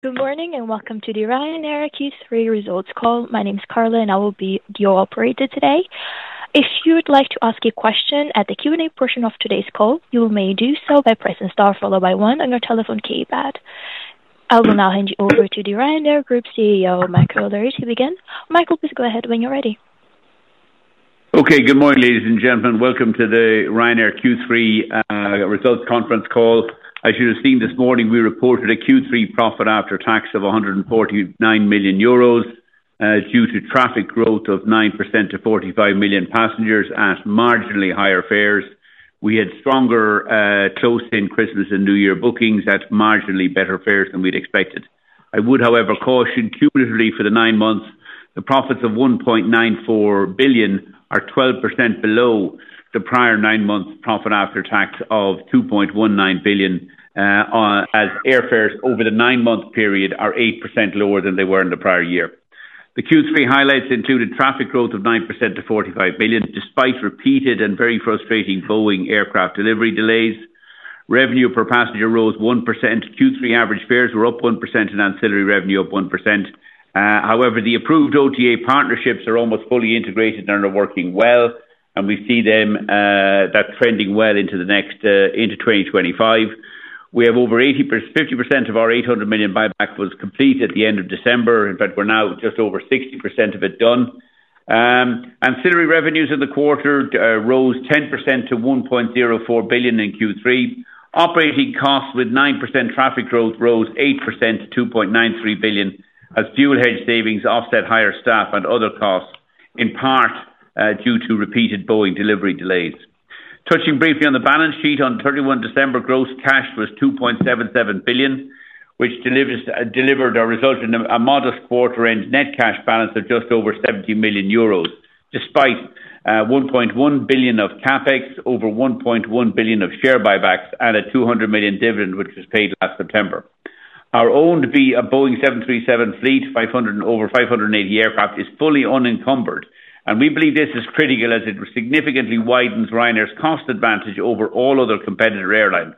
Good morning and welcome to the Ryanair Q3 results call. My name is Carla, and I will be your operator today. If you would like to ask a question at the Q&A portion of today's call, you may do so by pressing star followed by one on your telephone keypad. I will now hand you over to the Ryanair Group CEO, Michael O'Leary, to begin. Michael, please go ahead when you're ready. Okay. Good morning, ladies and gentlemen. Welcome to the Ryanair Q3 results conference call. As you have seen this morning, we reported a Q3 profit after tax of 149 million euros due to traffic growth of 9% to 45 million passengers at marginally higher fares. We had stronger close-in Christmas and New Year bookings at marginally better fares than we'd expected. I would, however, caution cumulatively for the nine months, the profits of 1.94 billion are 12% below the prior nine months' profit after tax of 2.19 billion, as airfares over the nine-month period are 8% lower than they were in the prior year. The Q3 highlights included traffic growth of 9% to 45 million despite repeated and very frustrating Boeing aircraft delivery delays. Revenue per passenger rose 1%. Q3 average fares were up 1% and ancillary revenue up 1%. However, the approved OTA partnerships are almost fully integrated and are working well, and we see them trending well into 2025. We have over 50% of our 800 million buyback was complete at the end of December. In fact, we're now just over 60% of it done. Ancillary revenues in the quarter rose 10% to 1.04 billion in Q3. Operating costs with 9% traffic growth rose 8% to 2.93 billion, as fuel hedge savings offset higher staff and other costs, in part due to repeated Boeing delivery delays. Touching briefly on the balance sheet, on 31 December, gross cash was 2.77 billion, which delivered a resultant and a modest quarter-end net cash balance of just over 70 million euros despite 1.1 billion of CapEx, over 1.1 billion of share buybacks, and a 200 million dividend which was paid last September. Our owned Boeing 737 fleet over 580 aircraft is fully unencumbered, and we believe this is critical as it significantly widens Ryanair's cost advantage over all other competitor airlines.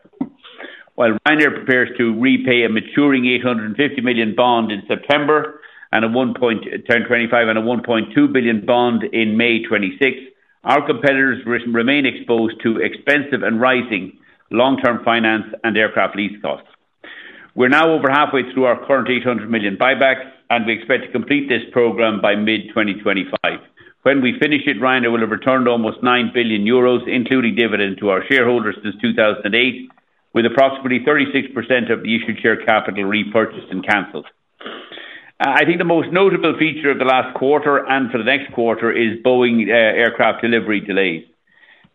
While Ryanair prepares to repay a maturing 850 million bond in September and a 1.25 and a 1.2 billion bond in May 2026, our competitors remain exposed to expensive and rising long-term finance and aircraft lease costs. We're now over halfway through our current 800 million buyback, and we expect to complete this program by mid-2025. When we finish it, Ryanair will have returned almost 9 billion euros, including dividends, to our shareholders since 2008, with approximately 36% of the issued share capital repurchased and canceled. I think the most notable feature of the last quarter and for the next quarter is Boeing aircraft delivery delays.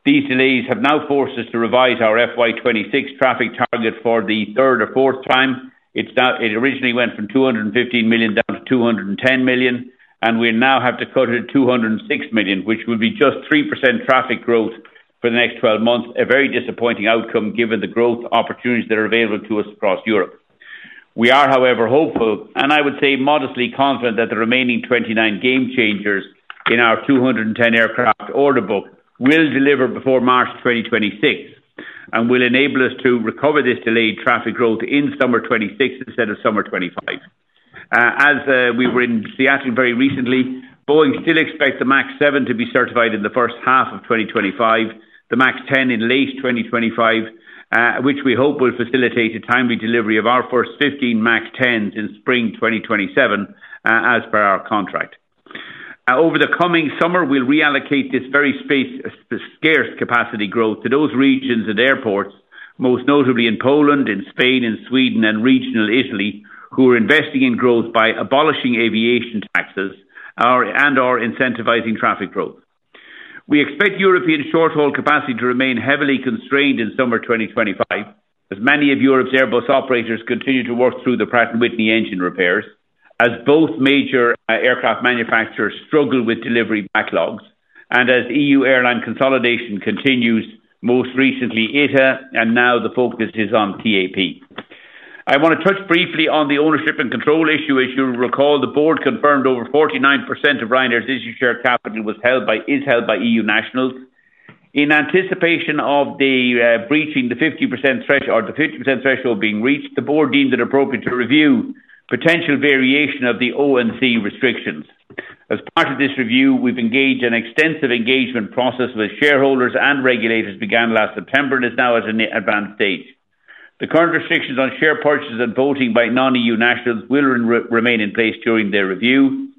These delays have now forced us to revise our FY 2026 traffic target for the third or fourth time. It originally went from 215 million down to 210 million, and we now have to cut it to 206 million, which would be just 3% traffic growth for the next 12 months, a very disappointing outcome given the growth opportunities that are available to us across Europe. We are, however, hopeful, and I would say modestly confident that the remaining 29 Gamechangers in our 210 aircraft order book will deliver before March 2026 and will enable us to recover this delayed traffic growth in summer 2026 instead of summer 2025. As we were in Seattle very recently, Boeing still expects the MAX 7 to be certified in the first half of 2025, the MAX 10 in late 2025, which we hope will facilitate a timely delivery of our first 15 MAX 10s in spring 2027 as per our contract. Over the coming summer, we'll reallocate this very scarce capacity growth to those regions and airports, most notably in Poland, in Spain, in Sweden, and regional Italy, who are investing in growth by abolishing aviation taxes and/or incentivizing traffic growth. We expect European short-haul capacity to remain heavily constrained in summer 2025, as many of Europe's Airbus operators continue to work through the Pratt & Whitney engine repairs, as both major aircraft manufacturers struggle with delivery backlogs, and as EU airline consolidation continues, most recently ITA, and now the focus is on TAP. I want to touch briefly on the ownership and control issue. As you'll recall, the board confirmed over 49% of Ryanair's issued share capital is held by EU nationals. In anticipation of breaching the 50% threshold being reached, the board deemed it appropriate to review potential variation of the O&C restrictions. As part of this review, we've engaged an extensive engagement process with shareholders and regulators that began last September and is now at an advanced stage. The current restrictions on share purchases and voting by non-EU nationals will remain in place during their review,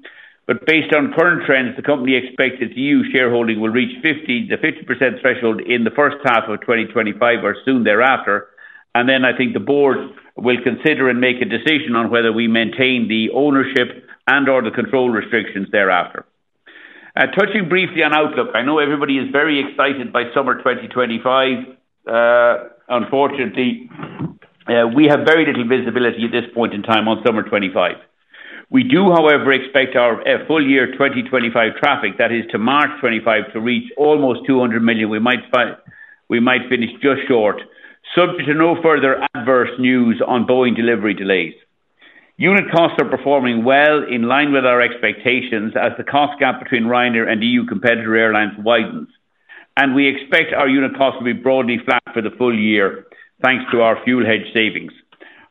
but based on current trends, the company expects its EU shareholding will reach the 50% threshold in the first half of 2025 or soon thereafter, and then I think the board will consider and make a decision on whether we maintain the ownership and/or the control restrictions thereafter. Touching briefly on outlook, I know everybody is very excited by summer 2025. Unfortunately, we have very little visibility at this point in time on summer 2025. We do, however, expect our full year 2025 traffic, that is to March 2025, to reach almost 200 million. We might finish just short, subject to no further adverse news on Boeing delivery delays. Unit costs are performing well in line with our expectations as the cost gap between Ryanair and EU competitor airlines widens, and we expect our unit costs to be broadly flat for the full year thanks to our fuel hedge savings.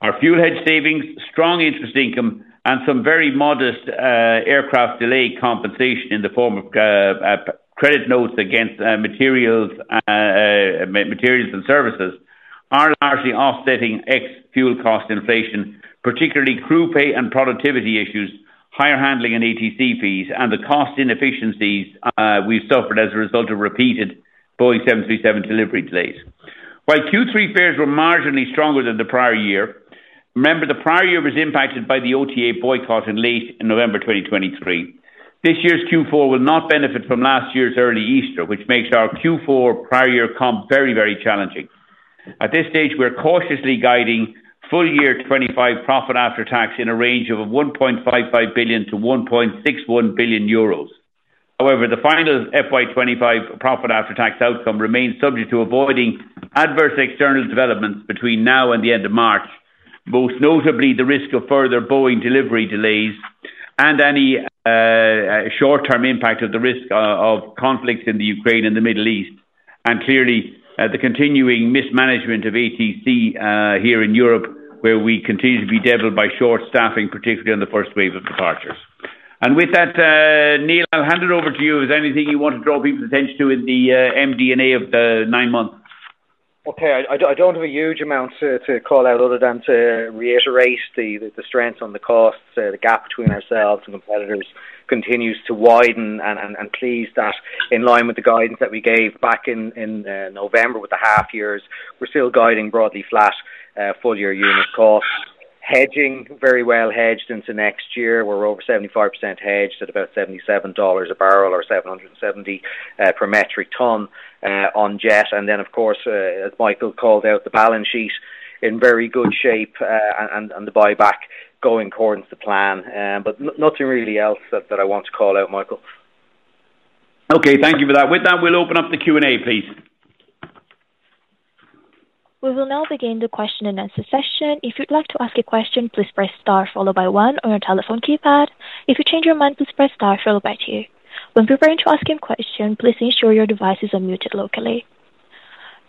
Our fuel hedge savings, strong interest income, and some very modest aircraft delay compensation in the form of credit notes against materials and services are largely offsetting ex-fuel cost inflation, particularly crew pay and productivity issues, higher handling and ATC fees, and the cost inefficiencies we've suffered as a result of repeated Boeing 737 delivery delays. While Q3 fares were marginally stronger than the prior year, remember the prior year was impacted by the OTA boycott in late November 2023. This year's Q4 will not benefit from last year's early Easter, which makes our Q4 prior year comp very, very challenging. At this stage, we're cautiously guiding full year 2025 profit after tax in a range of 1.55 billion-1.61 billion euros. However, the final FY '25 profit after tax outcome remains subject to avoiding adverse external developments between now and the end of March, most notably the risk of further Boeing delivery delays and any short-term impact of the risk of conflicts in the Ukraine and the Middle East, and clearly the continuing mismanagement of ATC here in Europe, where we continue to be bedeviled by short staffing, particularly on the first wave of departures, and with that, Neil, I'll hand it over to you. Is there anything you want to draw people's attention to in the MD&A of the nine months? Okay. I don't have a huge amount to call out other than to reiterate the strength on the costs. The gap between ourselves and competitors continues to widen, and that's in line with the guidance that we gave back in November with the half years. We're still guiding broadly flat full year unit costs. We're very well hedged into next year. We're over 75% hedged at about $77 a barrel or $770 per metric ton on jet. And then, of course, as Michael called out, the balance sheet is in very good shape and the buyback going according to the plan. But nothing really else that I want to call out, Michael. Okay. Thank you for that. With that, we'll open up the Q&A, please. We will now begin the question and answer session. If you'd like to ask a question, please press star followed by one on your telephone keypad. If you change your mind, please press star followed by two. When preparing to ask a question, please ensure your device is unmuted locally.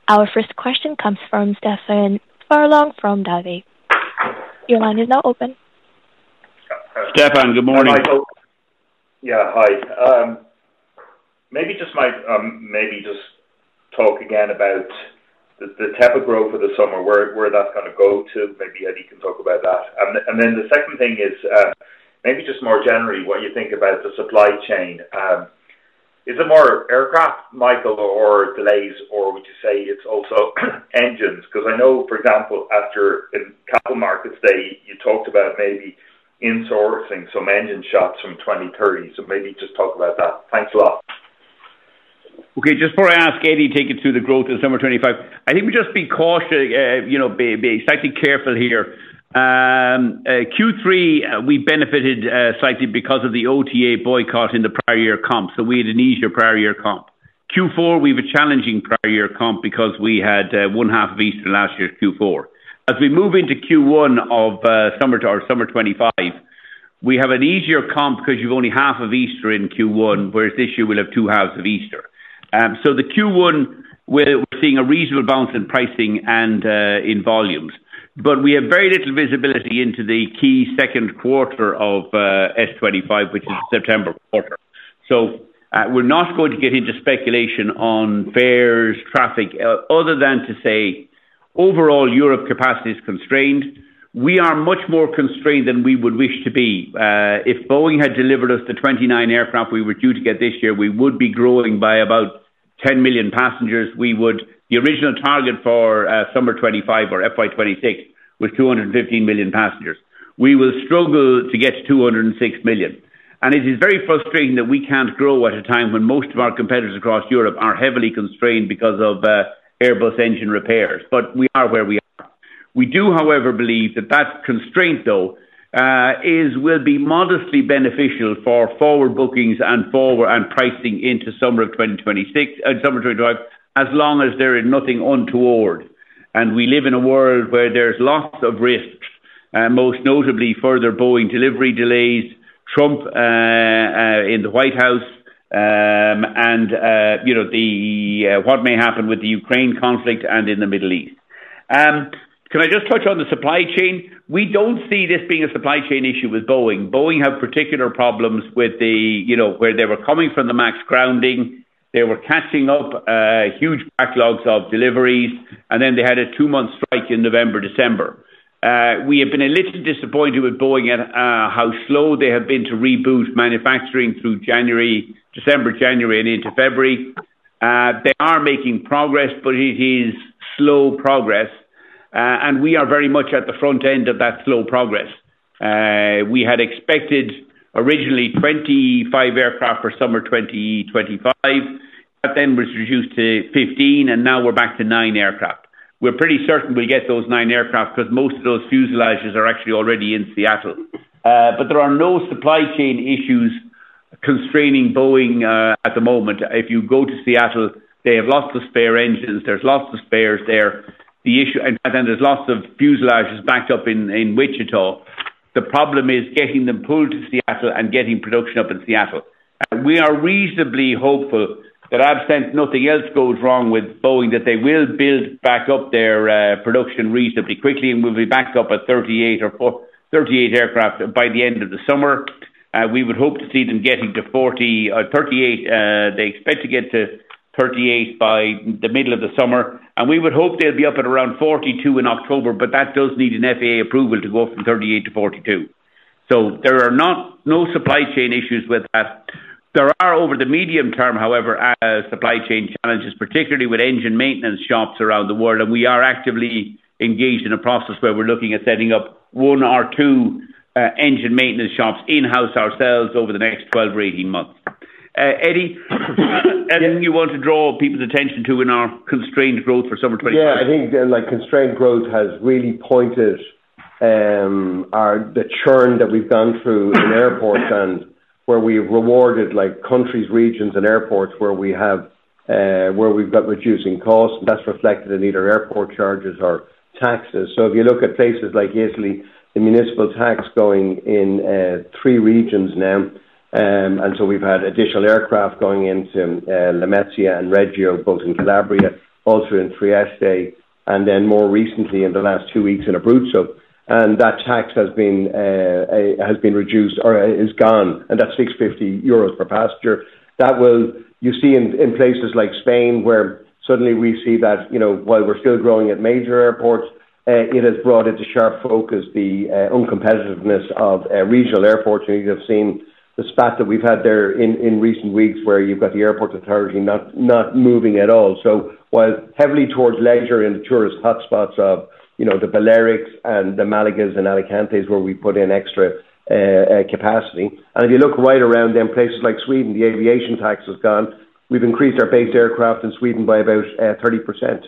Our first question comes from Stephen Furlong from Davy. Your line is now open. Stephen, good morning. Yeah. Hi. Maybe just talk again about the type of growth for the summer, where that's going to go to. Maybe Eddie can talk about that. And then the second thing is maybe just more generally what you think about the supply chain. Is it more aircraft, Michael, or delays, or would you say it's also engines? Because I know, for example, after the Capital Markets Day, you talked about maybe insourcing some engine shops from 2030. So maybe just talk about that. Thanks a lot. Okay. Just before I ask, Eddie, take it to the growth in summer 2025. I think we just be cautious, be slightly careful here. Q3, we benefited slightly because of the OTA boycott in the prior year comp. So we had an easier prior year comp. Q4, we have a challenging prior year comp because we had one half of Easter last year's Q4. As we move into Q1 of summer or summer 2025, we have an easier comp because you've only half of Easter in Q1, whereas this year we'll have two halves of Easter. So the Q1, we're seeing a reasonable bounce in pricing and in volumes, but we have very little visibility into the key second quarter of S25, which is the September quarter. So we're not going to get into speculation on fares, traffic, other than to say overall Europe capacity is constrained. We are much more constrained than we would wish to be. If Boeing had delivered us the 29 aircraft we were due to get this year, we would be growing by about 10 million passengers. The original target for summer 2025 or FY 2026 was 215 million passengers. We will struggle to get to 206 million. And it is very frustrating that we can't grow at a time when most of our competitors across Europe are heavily constrained because of Airbus engine repairs, but we are where we are. We do, however, believe that that constraint, though, will be modestly beneficial for forward bookings and pricing into summer 2025, as long as there is nothing untoward. We live in a world where there's lots of risks, most notably further Boeing delivery delays, Trump in the White House, and what may happen with the Ukraine conflict and in the Middle East. Can I just touch on the supply chain? We don't see this being a supply chain issue with Boeing. Boeing had particular problems with where they were coming from the MAX grounding. They were catching up huge backlogs of deliveries, and then they had a two-month strike in November, December. We have been a little disappointed with Boeing at how slow they have been to reboot manufacturing through December, January, and into February. They are making progress, but it is slow progress, and we are very much at the front end of that slow progress. We had expected originally 25 aircraft for summer 2025. That then was reduced to 15, and now we're back to nine aircraft. We're pretty certain we'll get those nine aircraft because most of those fuselages are actually already in Seattle. But there are no supply chain issues constraining Boeing at the moment. If you go to Seattle, they have lots of spare engines. There's lots of spares there. And then there's lots of fuselages backed up in Wichita. The problem is getting them pulled to Seattle and getting production up in Seattle. We are reasonably hopeful that absent nothing else goes wrong with Boeing, that they will build back up their production reasonably quickly, and we'll be backed up at 38 aircraft by the end of the summer. We would hope to see them getting to 38. They expect to get to 38 by the middle of the summer, and we would hope they'll be up at around 42 in October, but that does need an FAA approval to go from 38 to 42. So there are no supply chain issues with that. There are, over the medium term, however, supply chain challenges, particularly with engine maintenance shops around the world, and we are actively engaged in a process where we're looking at setting up one or two engine maintenance shops in-house ourselves over the next 12 or 18 months. Eddie, anything you want to draw people's attention to in our constrained growth for summer 2025? Yeah. I think constrained growth has really pointed the churn that we've gone through in airports and where we've rewarded countries, regions, and airports where we've got reducing costs, and that's reflected in either airport charges or taxes. So if you look at places like Italy, the municipal tax going in three regions now, and so we've had additional aircraft going into Lamezia and Reggio, both in Calabria, also in Trieste, and then more recently in the last two weeks in Abruzzo, and that tax has been reduced or is gone, and that's 650 euros per passenger. That will, you see in places like Spain, where suddenly we see that while we're still growing at major airports, it has brought into sharp focus the uncompetitiveness of regional airports. You have seen the spat that we've had there in recent weeks where you've got the airport authority not moving at all. So while heavily towards leisure and the tourist hotspots of the Balearics and the Malaga and Alicante, where we put in extra capacity, and if you look right around them, places like Sweden, the aviation tax has gone. We've increased our base aircraft in Sweden by about 30%.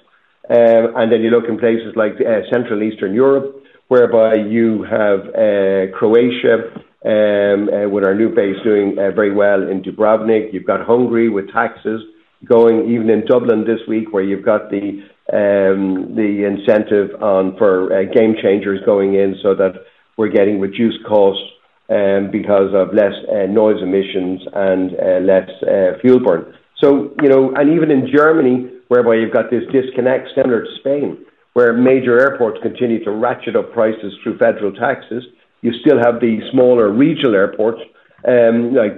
And then you look in places like Central Eastern Europe, whereby you have Croatia with our new base doing very well in Dubrovnik. You've got Hungary with taxes going even in Dublin this week, where you've got the incentive for game changers going in so that we're getting reduced costs because of less noise emissions and less fuel burn, and even in Germany, whereby you've got this disconnect similar to Spain, where major airports continue to ratchet up prices through federal taxes, you still have the smaller regional airports,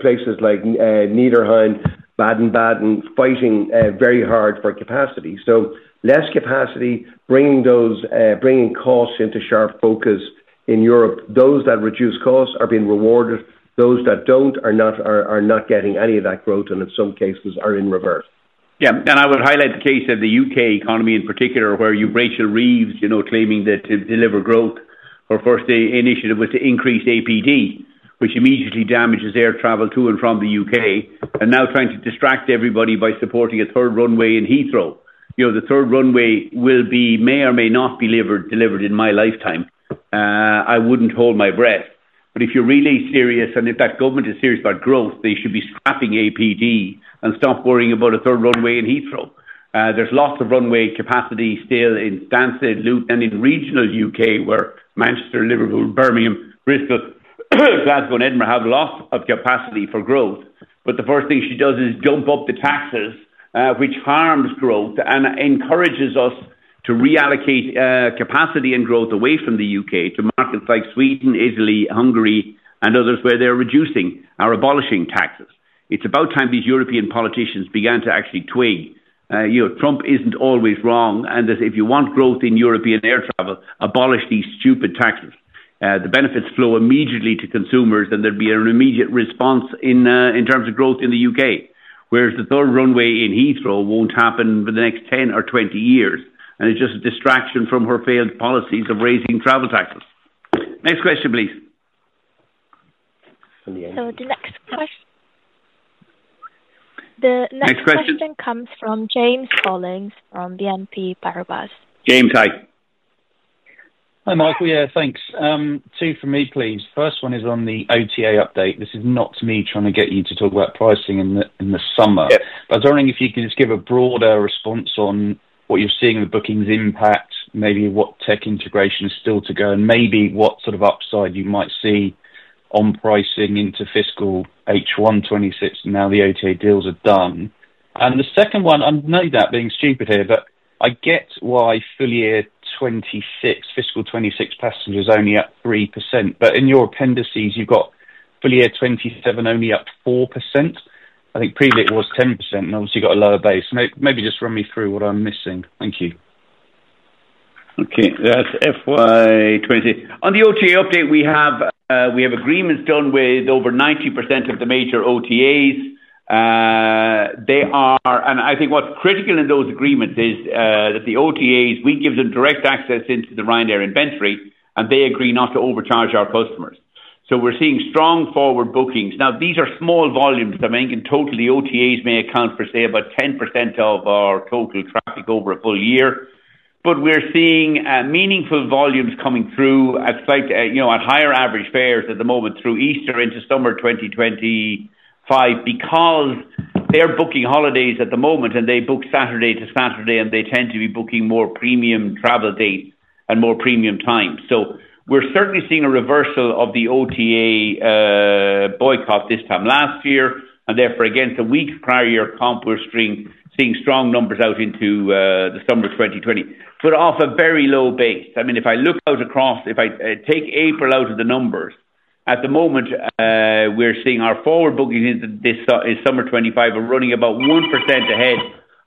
places like Niederrhein, Baden-Baden, fighting very hard for capacity. So less capacity, bringing costs into sharp focus in Europe. Those that reduce costs are being rewarded. Those that don't are not getting any of that growth, and in some cases are in reverse. Yeah. And I would highlight the case of the UK economy in particular, where you've Rachel Reeves claiming that to deliver growth, her first initiative was to increase APD, which immediately damages air travel to and from the U.K., and now trying to distract everybody by supporting a third runway in Heathrow. The third runway will be may or may not be delivered in my lifetime. I wouldn't hold my breath. But if you're really serious, and if that government is serious about growth, they should be scrapping APD and stop worrying about a third runway in Heathrow. There's lots of runway capacity still in Stansted, Luton, and in regional U.K., where Manchester, Liverpool, Birmingham, Bristol, Glasgow, and Edinburgh have lots of capacity for growth. But the first thing she does is jump up the taxes, which harms growth and encourages us to reallocate capacity and growth away from the U.K. to markets like Sweden, Italy, Hungary, and others where they're reducing or abolishing taxes. It's about time these European politicians began to actually twig. Trump isn't always wrong, and if you want growth in European air travel, abolish these stupid taxes. The benefits flow immediately to consumers, and there'd be an immediate response in terms of growth in the U.K., whereas the third runway in Heathrow won't happen for the next 10 or 20 years, and it's just a distraction from her failed policies of raising travel taxes. Next question, please. The next question. Next question. The next question comes from James Hollins from BNP Paribas. James, hi. Hi, Michael. Yeah, thanks. Two for me, please. First one is on the OTA update. This is not me trying to get you to talk about pricing in the summer. But I was wondering if you could just give a broader response on what you're seeing in the bookings impact, maybe what tech integration is still to go, and maybe what sort of upside you might see on pricing into fiscal H1 2026, and now the OTA deals are done. And the second one, I know that being stupid here, but I get why fiscal 2026 passengers only up 3%, but in your appendices, you've got fiscal year 2027 only up 4%. I think previously it was 10%, and obviously you've got a lower base. Maybe just run me through what I'm missing. Thank you. Okay. That's FY 2026. On the OTA update, we have agreements done with over 90% of the major OTAs. And I think what's critical in those agreements is that the OTAs, we give them direct access into the Ryanair inventory, and they agree not to overcharge our customers. So we're seeing strong forward bookings. Now, these are small volumes. I mean, in total, the OTAs may account for, say, about 10% of our total traffic over a full year, but we're seeing meaningful volumes coming through at higher average fares at the moment through Easter into summer 2025 because they're booking holidays at the moment, and they book Saturday to Saturday, and they tend to be booking more premium travel dates and more premium times. We're certainly seeing a reversal of the OTA boycott this time last year, and therefore, against the weeks prior year comp, we're seeing strong numbers out into the summer 2024, but off a very low base. I mean, if I look out across, if I take April out of the numbers, at the moment, we're seeing our forward bookings into summer 2025 are running about 1% ahead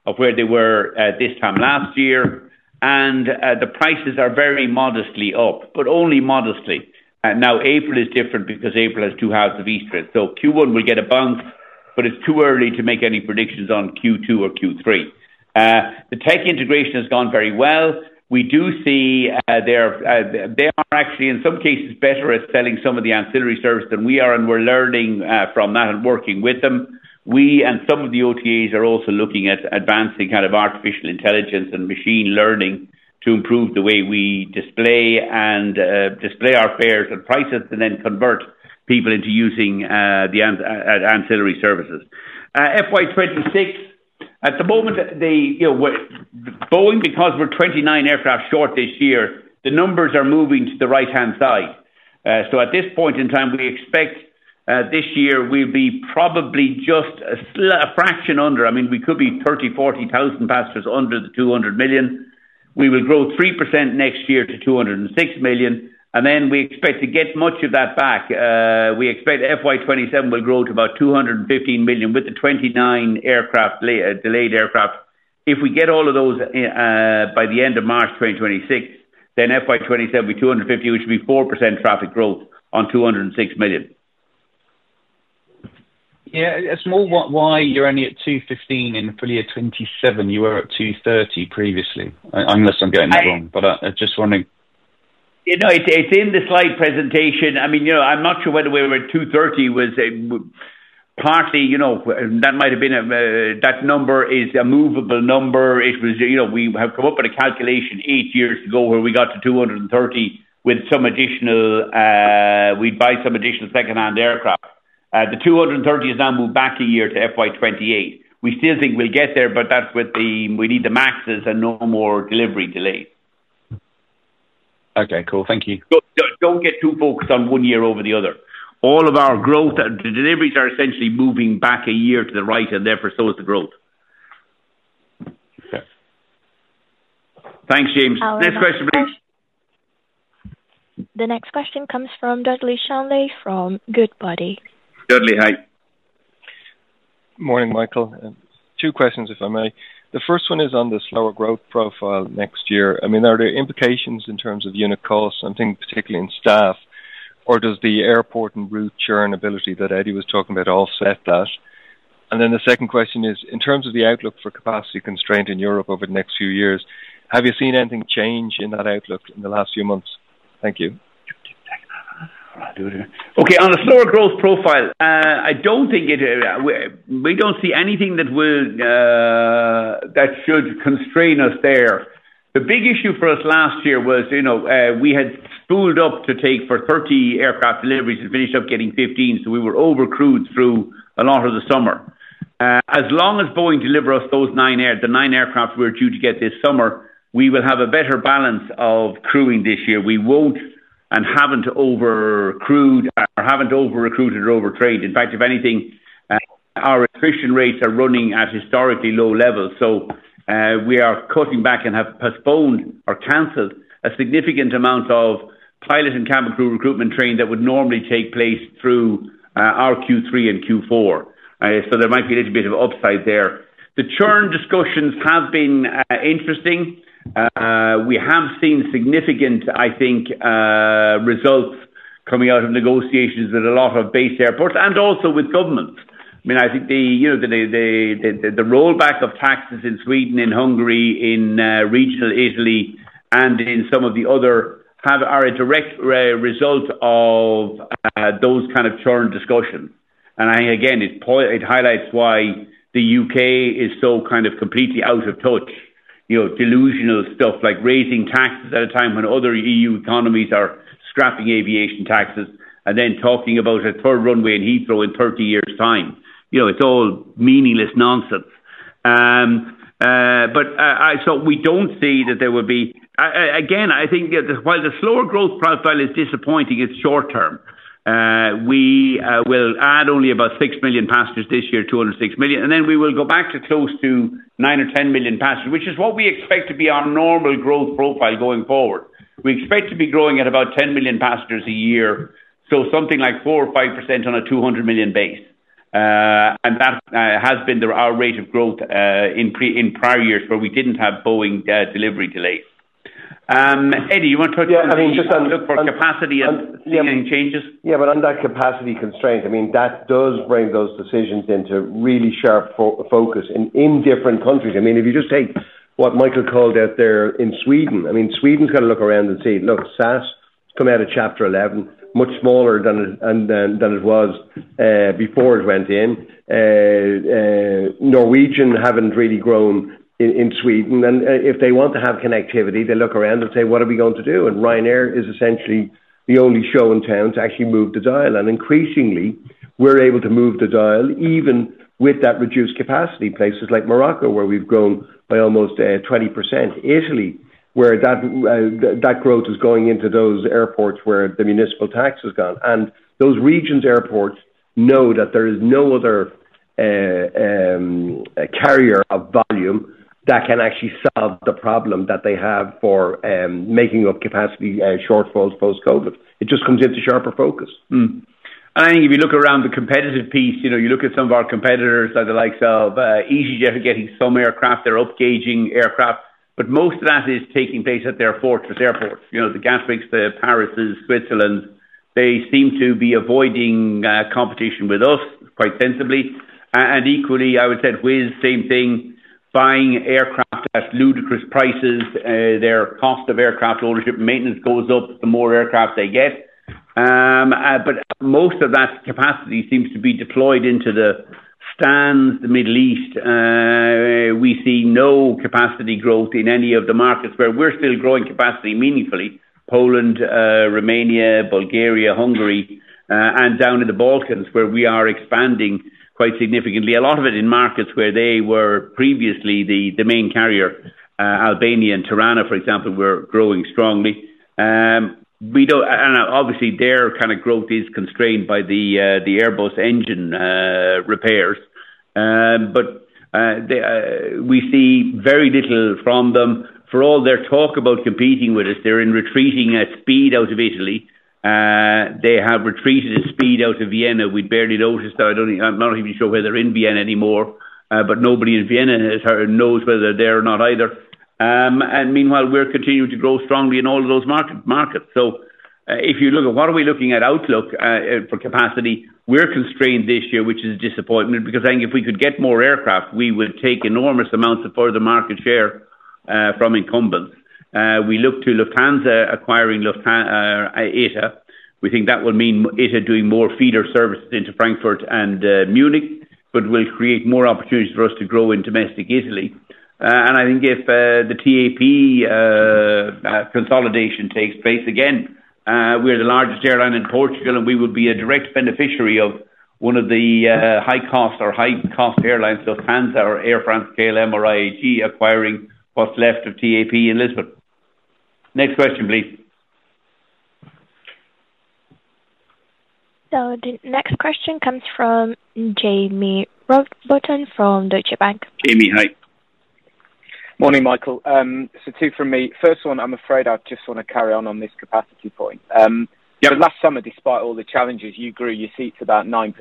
of where they were this time last year, and the prices are very modestly up, but only modestly. Now, April is different because April has two halves of Easter. Q1 will get a bump, but it's too early to make any predictions on Q2 or Q3. The tech integration has gone very well. We do see they are actually, in some cases, better at selling some of the ancillary service than we are, and we're learning from that and working with them. We and some of the OTAs are also looking at advancing kind of artificial intelligence and machine learning to improve the way we display our fares and prices and then convert people into using the ancillary services. FY 2026, at the moment, Boeing, because we're 29 aircraft short this year, the numbers are moving to the right-hand side. So at this point in time, we expect this year we'll be probably just a fraction under. I mean, we could be 30,000, 40,000 passengers under the 200 million. We will grow 3% next year to 206 million, and then we expect to get much of that back. We expect FY 2027 will grow to about 215 million with the 29 delayed aircraft. If we get all of those by the end of March 2026, then FY 2027 will be 250, which would be 4% traffic growth on 206 million. Yeah. It's more why you're only at 215 in fiscal year 2027. You were at 230 previously, unless I'm getting that wrong, but I just want to. No, it's in the slide presentation. I mean, I'm not sure whether we were at 230 was partly that might have been that number is a movable number. We have come up with a calculation eight years ago where we got to 230 with some additional we'd buy some additional second-hand aircraft. The 230 has now moved back a year to FY 2028. We still think we'll get there, but that's with the we need the MAXs and no more delivery delays. Okay. Cool. Thank you. Don't get too focused on one year over the other. All of our growth deliveries are essentially moving back a year to the right, and therefore so is the growth. Okay. Thanks, James. Next question, please. The next question comes from Dudley Shanley from Goodbody. Dudley, hi. Morning, Michael. Two questions, if I may. The first one is on the slower growth profile next year. I mean, are there implications in terms of unit costs, something particularly in staff, or does the airport and route churn ability that Eddie was talking about offset that? And then the second question is, in terms of the outlook for capacity constraint in Europe over the next few years, have you seen anything change in that outlook in the last few months? Thank you. Okay. On the slower growth profile, I don't think we don't see anything that should constrain us there. The big issue for us last year was we had spooled up to take 30 aircraft deliveries and finished up getting 15, so we were overcrewed through a lot of the summer. As long as Boeing delivers us the nine aircraft we're due to get this summer, we will have a better balance of crewing this year. We won't and haven't overcrewed or haven't overrecruited or overtrained. In fact, if anything, our attrition rates are running at historically low levels, so we are cutting back and have postponed or canceled a significant amount of pilot and cabin crew recruitment training that would normally take place through our Q3 and Q4. So there might be a little bit of upside there. The churn discussions have been interesting. We have seen significant, I think, results coming out of negotiations with a lot of base airports and also with governments. I mean, I think the rollback of taxes in Sweden, in Hungary, in regional Italy, and in some of the others have a direct result of those kind of churn discussions, and I think, again, it highlights why the U.K. is so kind of completely out of touch. Delusional stuff like raising taxes at a time when other EU economies are scrapping aviation taxes and then talking about a third runway in Heathrow in 30 years' time. It's all meaningless nonsense, but so we don't see that there will be, again, I think while the slower growth profile is disappointing, it's short-term. We will add only about 6 million passengers this year, 206 million, and then we will go back to close to 9 or 10 million passengers, which is what we expect to be our normal growth profile going forward. We expect to be growing at about 10 million passengers a year, so something like 4% or 5% on a 200 million base. And that has been our rate of growth in prior years where we didn't have Boeing delivery delays. Eddie, you want to talk about the look for capacity and seeing any changes? Yeah, but on that capacity constraint, I mean, that does bring those decisions into really sharp focus in different countries. I mean, if you just take what Michael called out there in Sweden, I mean, Sweden's got to look around and say, "Look, SAS has come out of Chapter 11, much smaller than it was before it went in." Norwegian haven't really grown in Sweden. And if they want to have connectivity, they look around and say, "What are we going to do?" And Ryanair is essentially the only show in town to actually move the dial. And increasingly, we're able to move the dial even with that reduced capacity, places like Morocco where we've grown by almost 20%, Italy where that growth is going into those airports where the municipal tax has gone. Those regions' airports know that there is no other carrier of volume that can actually solve the problem that they have for making up capacity shortfalls post-COVID. It just comes into sharper focus. And I think if you look around the competitive piece, you look at some of our competitors like the likes of easyJet are getting some aircraft, they're upgauging aircraft, but most of that is taking place at their fortress airports. The Gatwicks, the Parises, Switzerland, they seem to be avoiding competition with us quite sensibly. And equally, I would say with the same thing, buying aircraft at ludicrous prices, their cost of aircraft ownership and maintenance goes up the more aircraft they get. But most of that capacity seems to be deployed into the Stans, the Middle East. We see no capacity growth in any of the markets where we're still growing capacity meaningfully: Poland, Romania, Bulgaria, Hungary, and down in the Balkans where we are expanding quite significantly. A lot of it in markets where they were previously the main carrier, Albania and Tirana, for example, were growing strongly. And obviously, their kind of growth is constrained by the Airbus engine repairs, but we see very little from them. For all their talk about competing with us, they're retreating at speed out of Italy. They have retreated at speed out of Vienna. We barely noticed. I'm not even sure whether they're in Vienna anymore, but nobody in Vienna knows whether they're or not either. And meanwhile, we're continuing to grow strongly in all of those markets. So if you look at what are we looking at outlook for capacity, we're constrained this year, which is a disappointment because I think if we could get more aircraft, we would take enormous amounts of further market share from incumbents. We look to Lufthansa acquiring ITA. We think that will mean ITA doing more feeder services into Frankfurt and Munich, but will create more opportunities for us to grow in domestic Italy. And I think if the TAP consolidation takes place, again, we're the largest airline in Portugal, and we would be a direct beneficiary of one of the high-cost airlines, Lufthansa or Air France, KLM or IAG, acquiring what's left of TAP in Lisbon. Next question, please. So the next question comes from Jamie Rowbotham from Deutsche Bank. Jamie, hi. Morning, Michael. So two from me. First one, I'm afraid I just want to carry on on this capacity point. Last summer, despite all the challenges, you grew your seats about 9%.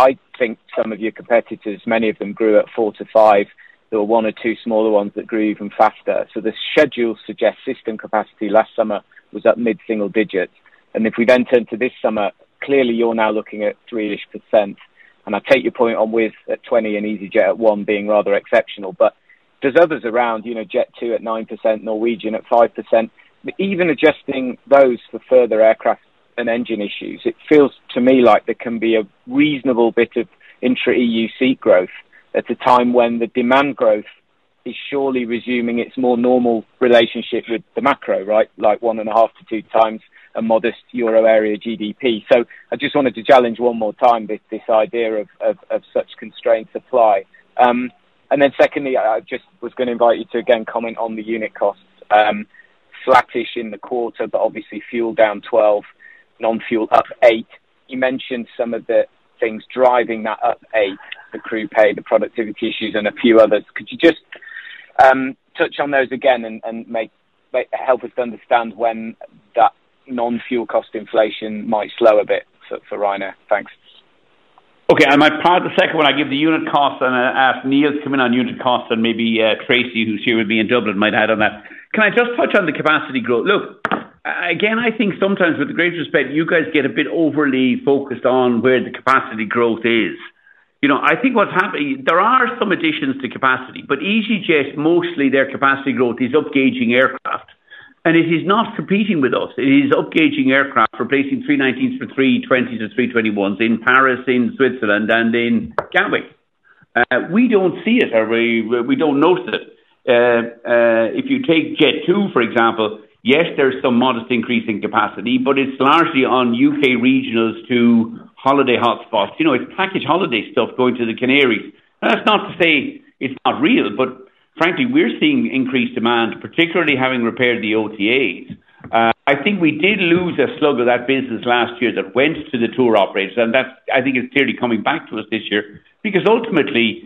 I think some of your competitors, many of them grew at 4%-5%. There were one or two smaller ones that grew even faster. So the schedule suggests system capacity last summer was at mid-single digits. And if we then turn to this summer, clearly you're now looking at 3-ish%. And I take your point on Wizz at 20% and easyJet at 1% being rather exceptional, but does others around Jet2 at 9%, Norwegian at 5%? Even adjusting those for further aircraft and engine issues, it feels to me like there can be a reasonable bit of intra-EU seat growth at a time when the demand growth is surely resuming its more normal relationship with the macro, right? Like one and a half to two times a modest euro area GDP. So I just wanted to challenge one more time this idea of such constraints apply. And then secondly, I just was going to invite you to again comment on the unit costs, flattish in the quarter, but obviously fuel down 12%, non-fuel up 8%. You mentioned some of the things driving that up 8%, the crew pay, the productivity issues, and a few others. Could you just touch on those again and help us understand when that non-fuel cost inflation might slow a bit for Ryanair? Thanks. Okay. On my part, the second one, I give the unit cost and ask Neil to come in on unit cost, and maybe Tracey, who's here with me in Dublin, might add on that. Can I just touch on the capacity growth? Look, again, I think sometimes with the greatest respect, you guys get a bit overly focused on where the capacity growth is. I think what's happening, there are some additions to capacity, but easyJet, mostly their capacity growth is upgauging aircraft, and it is not competing with us. It is upgauging aircraft, replacing 319s for 320s or 321s in Paris, in Switzerland, and in Geneva. We don't see it, or we don't notice it. If you take Jet2, for example, yes, there's some modest increase in capacity, but it's largely on UK regionals to holiday hotspots. It's package holiday stuff going to the Canaries. That's not to say it's not real, but frankly, we're seeing increased demand, particularly having repaired the OTAs. I think we did lose a slug of that business last year that went to the tour operators, and that I think is clearly coming back to us this year because ultimately,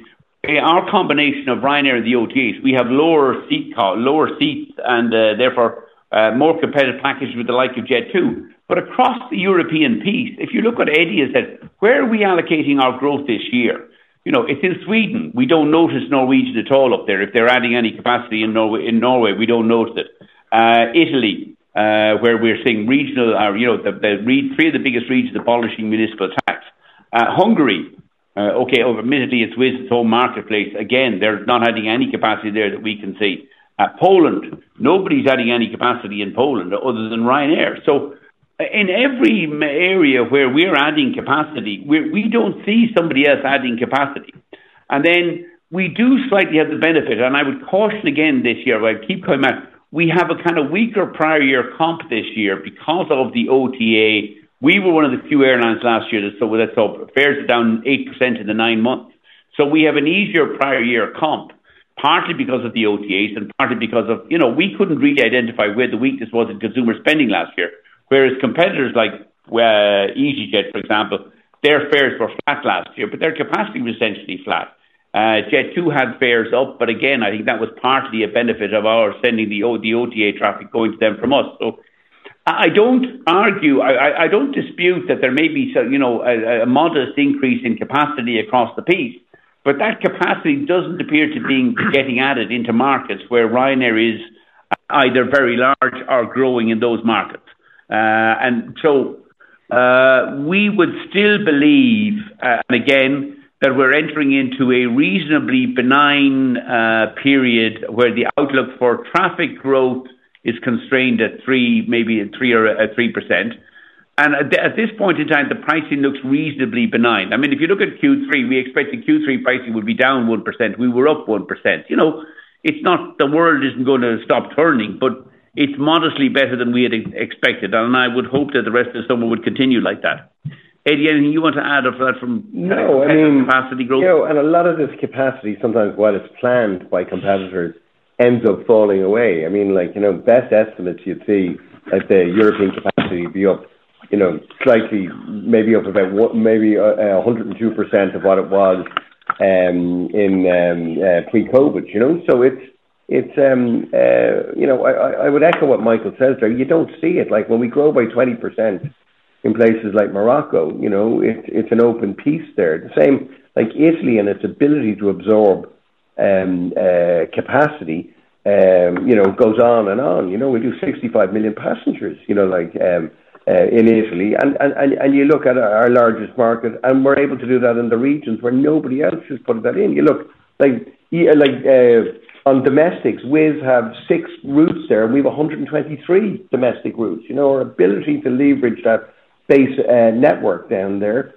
our combination of Ryanair and the OTAs, we have lower seats, and therefore more competitive packages with the likes of Jet2. But across the European piece, if you look at Eddie and say, "Where are we allocating our growth this year?" It's in Sweden. We don't notice Norwegian at all up there if they're adding any capacity in Norway. We don't notice it. Italy, where we're seeing regional, the three of the biggest regions, the Polish municipal tax. Hungary, okay, admittedly, it's Wizz's whole marketplace. Again, they're not adding any capacity there that we can see. Poland, nobody's adding any capacity in Poland other than Ryanair. So in every area where we're adding capacity, we don't see somebody else adding capacity. And then we do slightly have the benefit, and I would caution again this year. I keep coming back, we have a kind of weaker prior year comp this year because of the OTA. We were one of the few airlines last year that saw fares down 8% in the nine months. So we have an easier prior year comp, partly because of the OTAs and partly because of we couldn't really identify where the weakness was in consumer spending last year, whereas competitors like easyJet, for example, their fares were flat last year, but their capacity was essentially flat. Jet2 had fares up, but again, I think that was partly a benefit of our sending the OTA traffic going to them from us. So I don't argue. I don't dispute that there may be a modest increase in capacity across the piece, but that capacity doesn't appear to be getting added into markets where Ryanair is either very large or growing in those markets. And so we would still believe, and again, that we're entering into a reasonably benign period where the outlook for traffic growth is constrained at 3%, maybe 3% or 4%. And at this point in time, the pricing looks reasonably benign. I mean, if you look at Q3, we expect the Q3 pricing would be down 1%. We were up 1%. It's not the world isn't going to stop turning, but it's modestly better than we had expected. And I would hope that the rest of the summer would continue like that. Eddie, anything you want to add on that from the capacity growth? No, I mean, and a lot of this capacity sometimes while it's planned by competitors ends up falling away. I mean, best estimates you'd see the European capacity be up slightly, maybe up about 102% of what it was in pre-COVID. So it's, I would echo what Michael says, right? You don't see it. When we grow by 20% in places like Morocco, it's an open piece there. The same like Italy and its ability to absorb capacity goes on and on. We do 65 million passengers in Italy. And you look at our largest market, and we're able to do that in the regions where nobody else has put that in. You look on domestics, Wizz have six routes there, and we have 123 domestic routes. Our ability to leverage that base network down there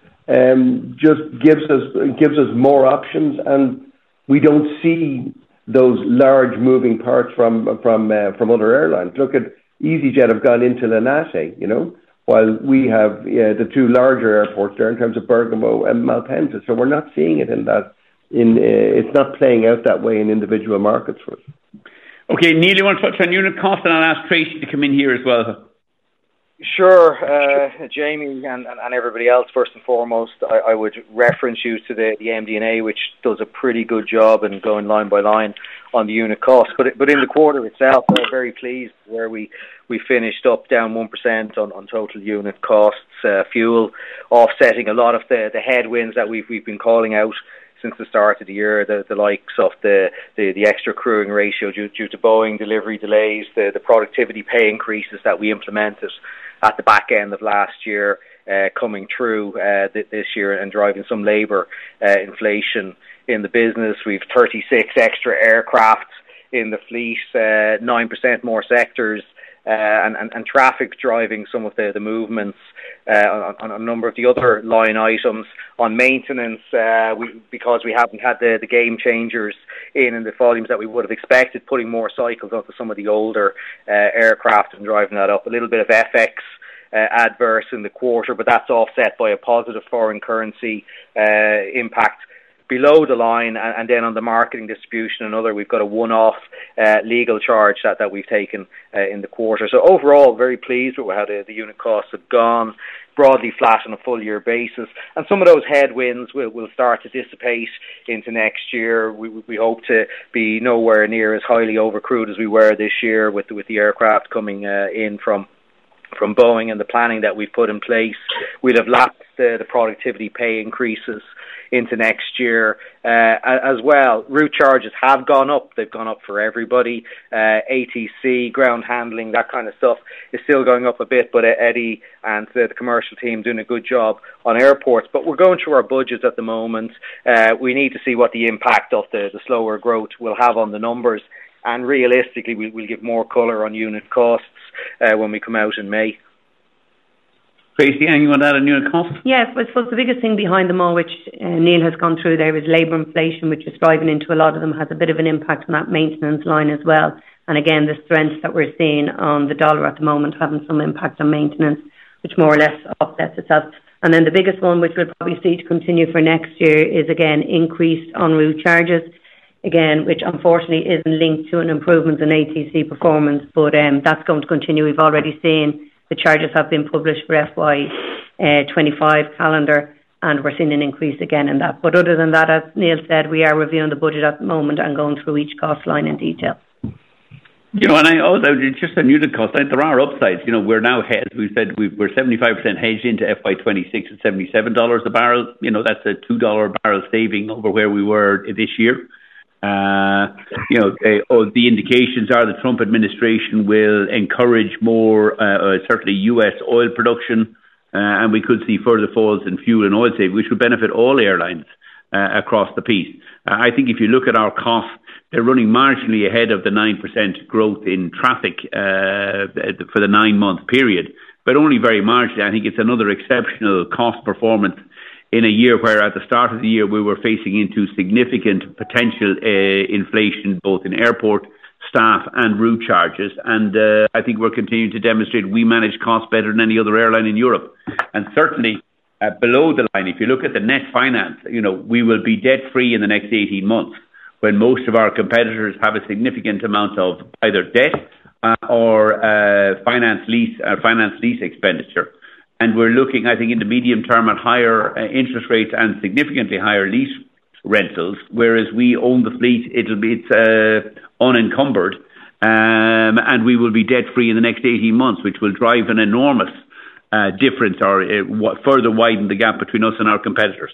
just gives us more options, and we don't see those large moving parts from other airlines. Look at easyJet have gone into Linate while we have the two larger airports there in terms of Bergamo and Malpensa. So we're not seeing it in that, it's not playing out that way in individual markets for us. Okay. Neil, you want to touch on unit cost, and I'll ask Tracey to come in here as well. Sure. Jamie and everybody else, first and foremost, I would reference you to the MD&A, which does a pretty good job and going line by line on the unit cost. But in the quarter itself, we're very pleased where we finished up, down 1% on total unit costs, fuel, offsetting a lot of the headwinds that we've been calling out since the start of the year, the likes of the extra crewing ratio due to Boeing delivery delays, the productivity pay increases that we implemented at the back end of last year coming through this year and driving some labor inflation in the business. We've 36 extra aircraft in the fleet, 9% more sectors, and traffic driving some of the movements on a number of the other line items. On maintenance, because we haven't had the game changers in the volumes that we would have expected, putting more cycles onto some of the older aircraft and driving that up a little bit of FX adverse in the quarter, but that's offset by a positive foreign currency impact below the line. And then on the marketing distribution and other, we've got a one-off legal charge that we've taken in the quarter. So overall, very pleased with how the unit costs have gone, broadly flat on a full year basis. And some of those headwinds will start to dissipate into next year. We hope to be nowhere near as highly overcrewed as we were this year with the aircraft coming in from Boeing and the planning that we've put in place. We'll have lapsed the productivity pay increases into next year as well. Route charges have gone up. They've gone up for everybody. ATC, ground handling, that kind of stuff is still going up a bit, but Eddie and the commercial team doing a good job on airports. But we're going through our budgets at the moment. We need to see what the impact of the slower growth will have on the numbers. And realistically, we'll give more color on unit costs when we come out in May. Tracey, anyone add on unit costs? Yes. I suppose the biggest thing behind them all, which Neil has gone through there, is labor inflation, which is driving into a lot of them, has a bit of an impact on that maintenance line as well. And again, the strength that we're seeing on the dollar at the moment having some impact on maintenance, which more or less offsets itself. And then the biggest one, which we'll probably see to continue for next year, is again, increased en route charges, again, which unfortunately isn't linked to an improvement in ATC performance, but that's going to continue. We've already seen the charges have been published for FY25 calendar, and we're seeing an increase again in that. But other than that, as Neil said, we are reviewing the budget at the moment and going through each cost line in detail. And I also just on unit costs, there are upsides. We're now hedged. We said we're 75% hedged into FY26 at $77 a barrel. That's a $2 a barrel saving over where we were this year. The indications are the Trump administration will encourage more certainly US oil production, and we could see further falls in fuel and oil saving, which would benefit all airlines across the piece. I think if you look at our costs, they're running marginally ahead of the 9% growth in traffic for the nine-month period, but only very marginally. I think it's another exceptional cost performance in a year where at the start of the year, we were facing into significant potential inflation, both in airport staff and route charges. And I think we're continuing to demonstrate we manage costs better than any other airline in Europe. Certainly below the line, if you look at the net finance, we will be debt-free in the next 18 months when most of our competitors have a significant amount of either debt or finance lease expenditure. We're looking, I think, in the medium term at higher interest rates and significantly higher lease rentals, whereas we own the fleet. It's unencumbered, and we will be debt-free in the next 18 months, which will drive an enormous difference or further widen the gap between us and our competitors.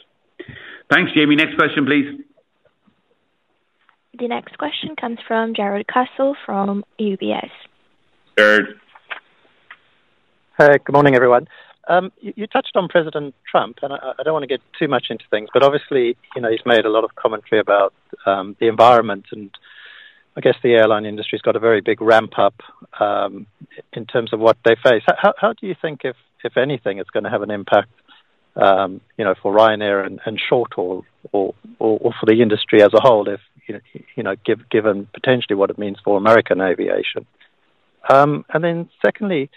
Thanks, Jamie. Next question, please. The next question comes from Jarrod Castle from UBS. Jared. Hey, good morning, everyone. You touched on President Trump, and I don't want to get too much into things, but obviously, he's made a lot of commentary about the environment, and I guess the airline industry has got a very big ramp-up in terms of what they face. How do you think, if anything, it's going to have an impact for Ryanair and short-haul or for the industry as a whole, given potentially what it means for American aviation? And then secondly,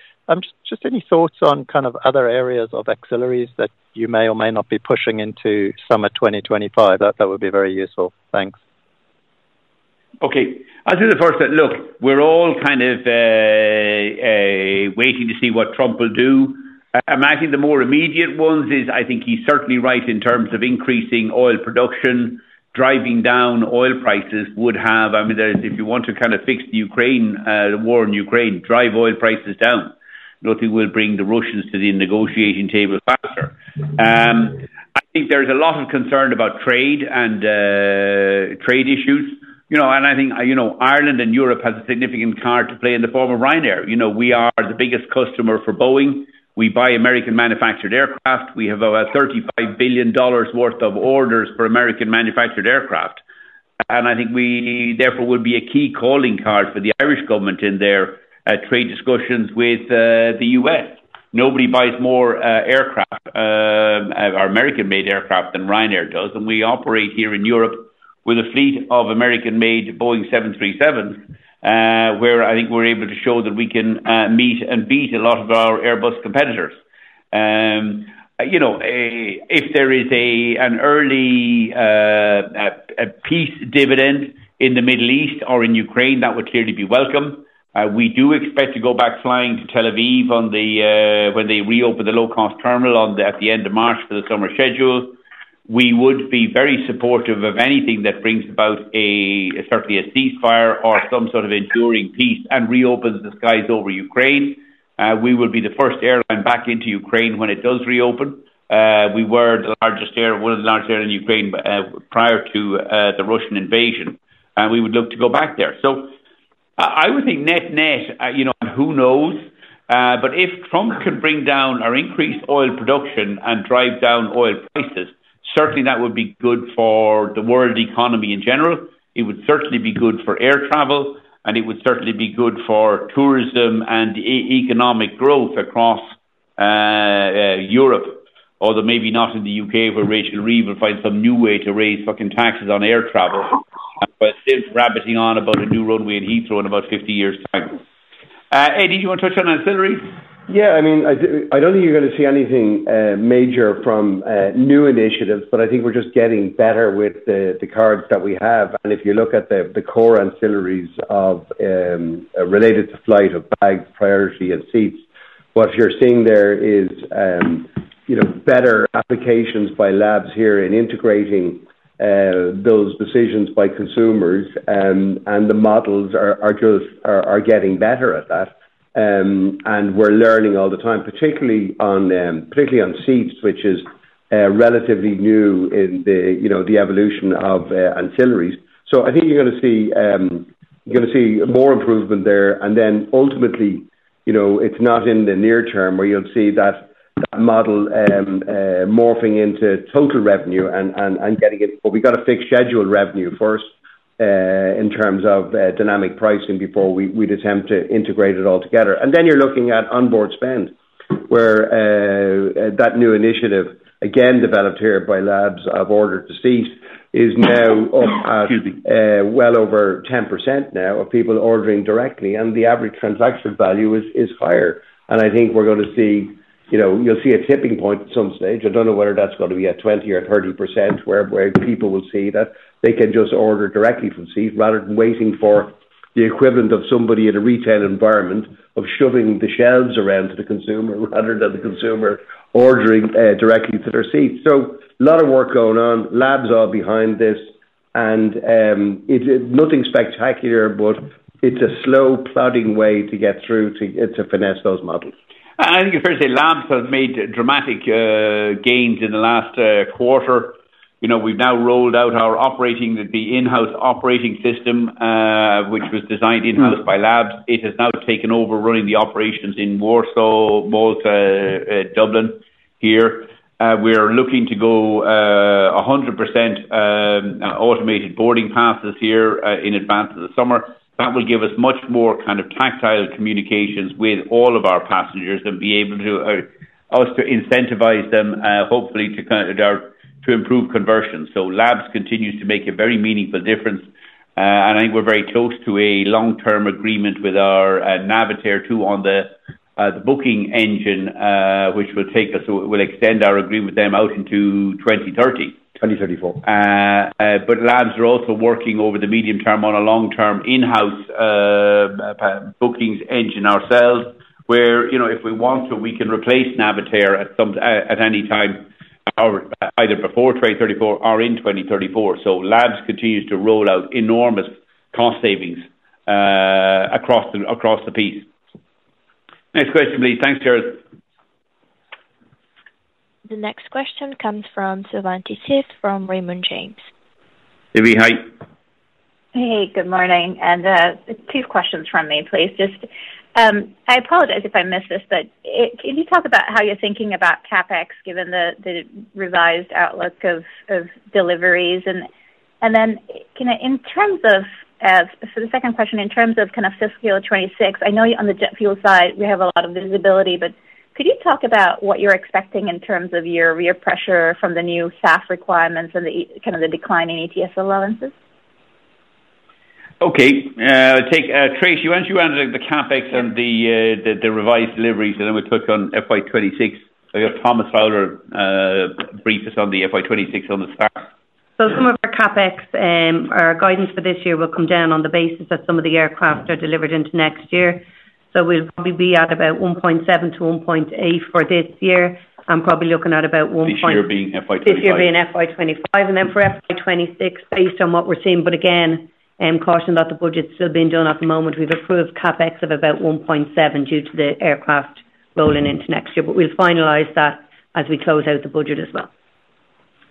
just any thoughts on kind of other areas of ancillaries that you may or may not be pushing into summer 2025? That would be very useful. Thanks. Okay. I'll do the first bit. Look, we're all kind of waiting to see what Trump will do. Among the more immediate ones is I think he's certainly right in terms of increasing oil production. Driving down oil prices would have, I mean, if you want to kind of fix the war in Ukraine, drive oil prices down, I don't think it will bring the Russians to the negotiating table faster. I think there's a lot of concern about trade and trade issues. I think Ireland and Europe have a significant card to play in the form of Ryanair. We are the biggest customer for Boeing. We buy American-manufactured aircraft. We have about $35 billion worth of orders for American-manufactured aircraft. I think we, therefore, would be a key calling card for the Irish government in their trade discussions with the U.S. Nobody buys more aircraft, our American-made aircraft, than Ryanair does, and we operate here in Europe with a fleet of American-made Boeing 737s, where I think we're able to show that we can meet and beat a lot of our Airbus competitors. If there is an early peace dividend in the Middle East or in Ukraine, that would clearly be welcome. We do expect to go back flying to Tel Aviv when they reopen the low-cost terminal at the end of March for the summer schedule. We would be very supportive of anything that brings about certainly a ceasefire or some sort of enduring peace and reopens the skies over Ukraine. We will be the first airline back into Ukraine when it does reopen. We were one of the largest airlines in Ukraine prior to the Russian invasion, and we would look to go back there. So I would think net-net, who knows? But if Trump can bring down or increase oil production and drive down oil prices, certainly that would be good for the world economy in general. It would certainly be good for air travel, and it would certainly be good for tourism and economic growth across Europe, although maybe not in the U.K., where Rachel Reeves will find some new way to raise fucking taxes on air travel, but still rabbiting on about a new runway in Heathrow in about 50 years' time. Eddie, do you want to touch on ancillaries? Yeah. I mean, I don't think you're going to see anything major from new initiatives, but I think we're just getting better with the cards that we have. And if you look at the core ancillaries related to flights, bags, priority, and seats, what you're seeing there is better applications by Labs here in integrating those decisions by consumers. And the models are getting better at that. And we're learning all the time, particularly on seats, which is relatively new in the evolution of ancillaries. So I think you're going to see more improvement there. And then ultimately, it's not in the near term where you'll see that model morphing into total revenue and getting it. But we've got to fix schedule revenue first in terms of dynamic pricing before we'd attempt to integrate it all together. And then you're looking at onboard spend, where that new initiative, again, developed here by Labs' Order to Seat, is now well over 10% of people ordering directly. And the average transaction value is higher. And I think we're going to see you'll see a tipping point at some stage. I don't know whether that's going to be at 20% or 30%, where people will see that they can just order directly to seat rather than waiting for the equivalent of somebody in a retail environment of shoving the shelves around to the consumer rather than the consumer ordering directly to their seat. So a lot of work going on. Labs are behind this. And it's nothing spectacular, but it's a slow, plodding way to get through to finesse those models. I think I've heard you say Labs have made dramatic gains in the last quarter. We've now rolled out our operating, the in-house operating system, which was designed in-house by Labs. It has now taken over running the operations in Warsaw, Malta, Dublin here. We are looking to go 100% automated boarding passes here in advance of the summer. That will give us much more kind of tactile communications with all of our passengers and enable us to incentivize them, hopefully, to improve conversions. So Labs continues to make a very meaningful difference. And I think we're very close to a long-term agreement with our Navitaire on the booking engine, which will take us to we'll extend our agreement with them out into 2030. 2034. But Labs are also working over the medium term on a long-term in-house bookings engine ourselves, where if we want to, we can replace Navitaire at any time, either before 2034 or in 2034. So Labs continues to roll out enormous cost savings across the piece. Next question, please. Thanks, Jarrod. The next question comes from Savanthi Syth from Raymond James. Savanthi, hi. Hey, good morning. Two questions from me, please. I apologize if I missed this, but can you talk about how you're thinking about CapEx, given the revised outlook of deliveries? Then in terms of the second question, in terms of kind of fiscal 2026, I know on the jet fuel side, we have a lot of visibility, but could you talk about what you're expecting in terms of your fare pressure from the new SAF requirements and kind of the decline in ETS allowances? Okay. Tracey, why don't you answer the CapEx and the revised deliveries, and then we'll touch on FY26. I got Thomas Fowler brief us on the FY26 on the SAF. Some of our CapEx, our guidance for this year will come down on the basis that some of the aircraft are delivered into next year. We'll probably be at about 1.7-1.8 for this year. I'm probably looking at about 1. This year being FY25. This year being FY25. And then for FY26, based on what we're seeing, but again, caution that the budget's still being done at the moment. We've approved CapEx of about 1.7 due to the aircraft rolling into next year, but we'll finalize that as we close out the budget as well.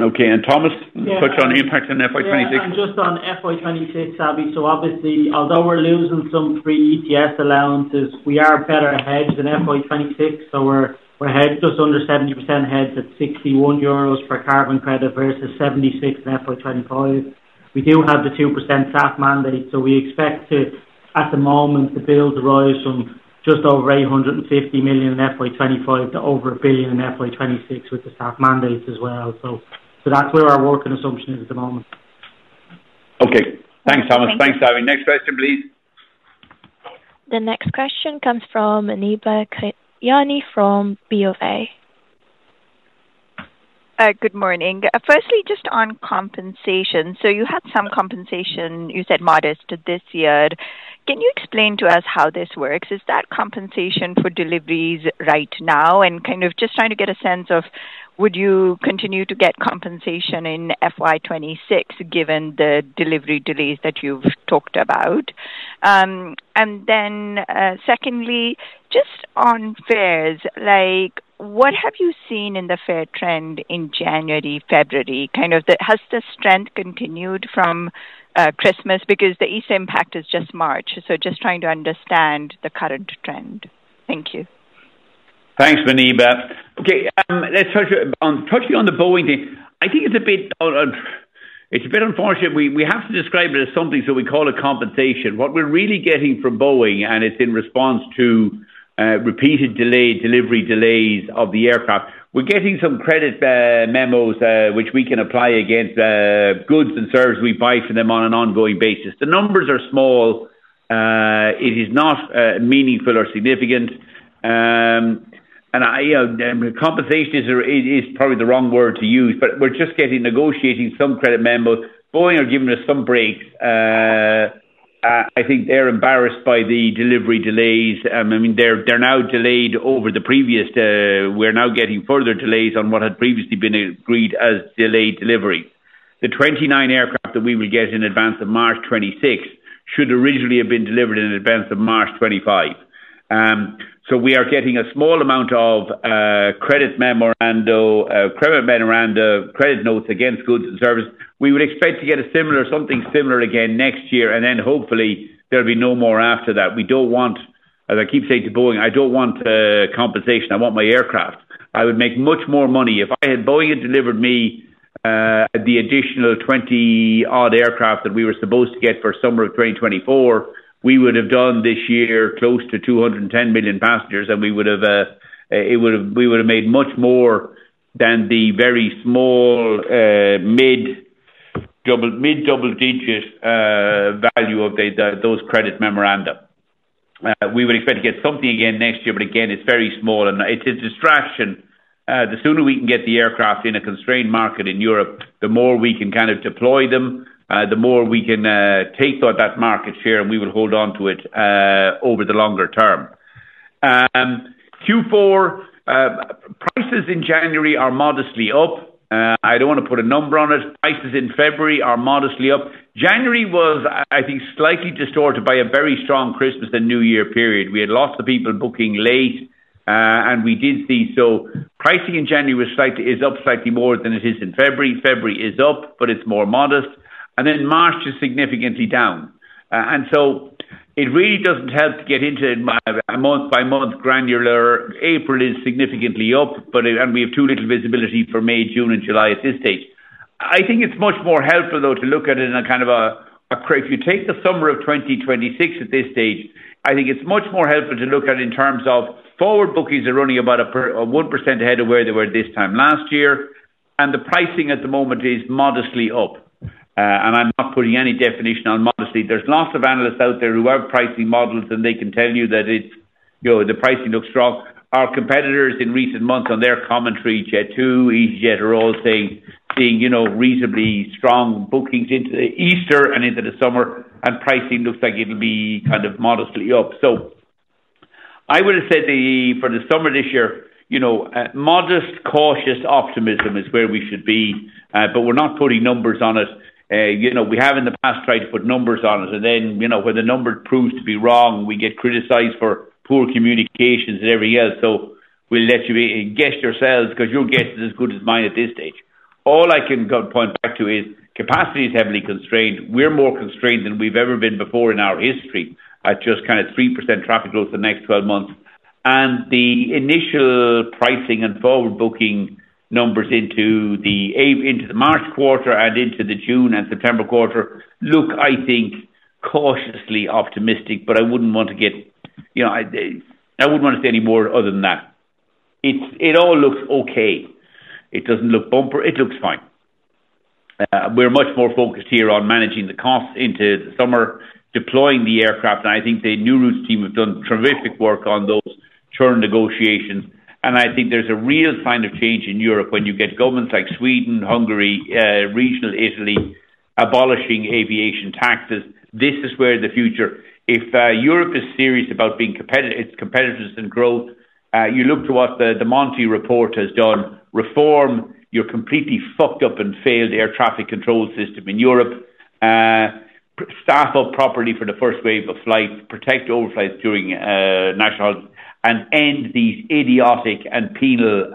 Okay. And Thomas, touch on impact on FY26. And just on FY26, Abby, so obviously, although we're losing some free ETS allowances, we are better hedged than FY26. So we're hedged just under 70%, hedged at 61 euros per carbon credit versus 76 in FY25. We do have the 2% SAF mandate. So we expect to, at the moment, to build the rise from just over 850 million in FY25 to over 1 billion in FY26 with the SAF mandates as well. So that's where our working assumption is at the moment. Okay. Thanks, Thomas. Thanks, Abby. Next question, please. The next question comes from Muneeba Kayani from BofA. Good morning. Firstly, just on compensation. So you had some compensation, you said modest, this year. Can you explain to us how this works? Is that compensation for deliveries right now? And kind of just trying to get a sense of, would you continue to get compensation in FY26 given the delivery delays that you've talked about? And then secondly, just on fares, what have you seen in the fare trend in January, February? Kind of has the strength continued from Christmas? Because the Easter impact is just March. So just trying to understand the current trend. Thank you. Thanks, Muneeba. Okay. Let's touch on the Boeing thing. I think it's a bit unfortunate. We have to describe it as something so we call it compensation. What we're really getting from Boeing, and it's in response to repeated delayed delivery delays of the aircraft, we're getting some credit memos, which we can apply against goods and services we buy from them on an ongoing basis. The numbers are small. It is not meaningful or significant, and compensation is probably the wrong word to use, but we're just getting negotiating some credit memos. Boeing are giving us some breaks. I think they're embarrassed by the delivery delays. I mean, they're now delayed over the previous we're now getting further delays on what had previously been agreed as delayed delivery. The 29 aircraft that we will get in advance of March 2026 should originally have been delivered in advance of March 2025. So we are getting a small amount of credit memorandum, credit notes against goods and services. We would expect to get something similar again next year, and then hopefully, there'll be no more after that. We don't want, as I keep saying to Boeing, I don't want compensation. I want my aircraft. I would make much more money. If Boeing had delivered me the additional 20-odd aircraft that we were supposed to get for summer of 2024, we would have done this year close to 210 million passengers, and we would have made much more than the very small mid-double-digit value of those credit memoranda. We would expect to get something again next year, but again, it's very small. And it's a distraction. The sooner we can get the aircraft in a constrained market in Europe, the more we can kind of deploy them, the more we can take on that market share, and we will hold on to it over the longer term. Q4, prices in January are modestly up. I don't want to put a number on it. Prices in February are modestly up. January was, I think, slightly distorted by a very strong Christmas and New Year period. We had lots of people booking late, and we did see so pricing in January is up slightly more than it is in February. February is up, but it's more modest. And then March is significantly down. And so it really doesn't help to get into it month-by-month granular. April is significantly up, and we have too little visibility for May, June, and July at this stage. I think it's much more helpful, though, to look at it in terms of forward bookings are running about 1% ahead of where they were this time last year. And the pricing at the moment is modestly up. And I'm not putting any definition on modestly. There's lots of analysts out there who have pricing models, and they can tell you that the pricing looks strong. Our competitors in recent months on their commentary, Jet2, easyJet are all saying reasonably strong bookings into the Easter and into the summer, and pricing looks like it'll be kind of modestly up. So I would have said for the summer this year, modest, cautious optimism is where we should be, but we're not putting numbers on it. We have in the past tried to put numbers on it, and then when the number proves to be wrong, we get criticized for poor communications and everything else. So we'll let you guess yourselves because your guess is as good as mine at this stage. All I can point back to is capacity is heavily constrained. We're more constrained than we've ever been before in our history at just kind of 3% traffic growth the next 12 months. And the initial pricing and forward booking numbers into the March quarter and into the June and September quarter look, I think, cautiously optimistic, but I wouldn't want to say any more other than that. It all looks okay. It doesn't look bumper. It looks fine. We're much more focused here on managing the costs into the summer, deploying the aircraft, and I think the New Routes team have done terrific work on those churn negotiations, and I think there's a real sign of change in Europe when you get governments like Sweden, Hungary, regional Italy abolishing aviation taxes. This is where the future. If Europe is serious about being competitive, its competitiveness and growth, you look to what the Monti report has done. Reform your completely fucked up and failed air traffic control system in Europe. Staff up properly for the first wave of flight, protect overflights during national holidays, and end these idiotic and penal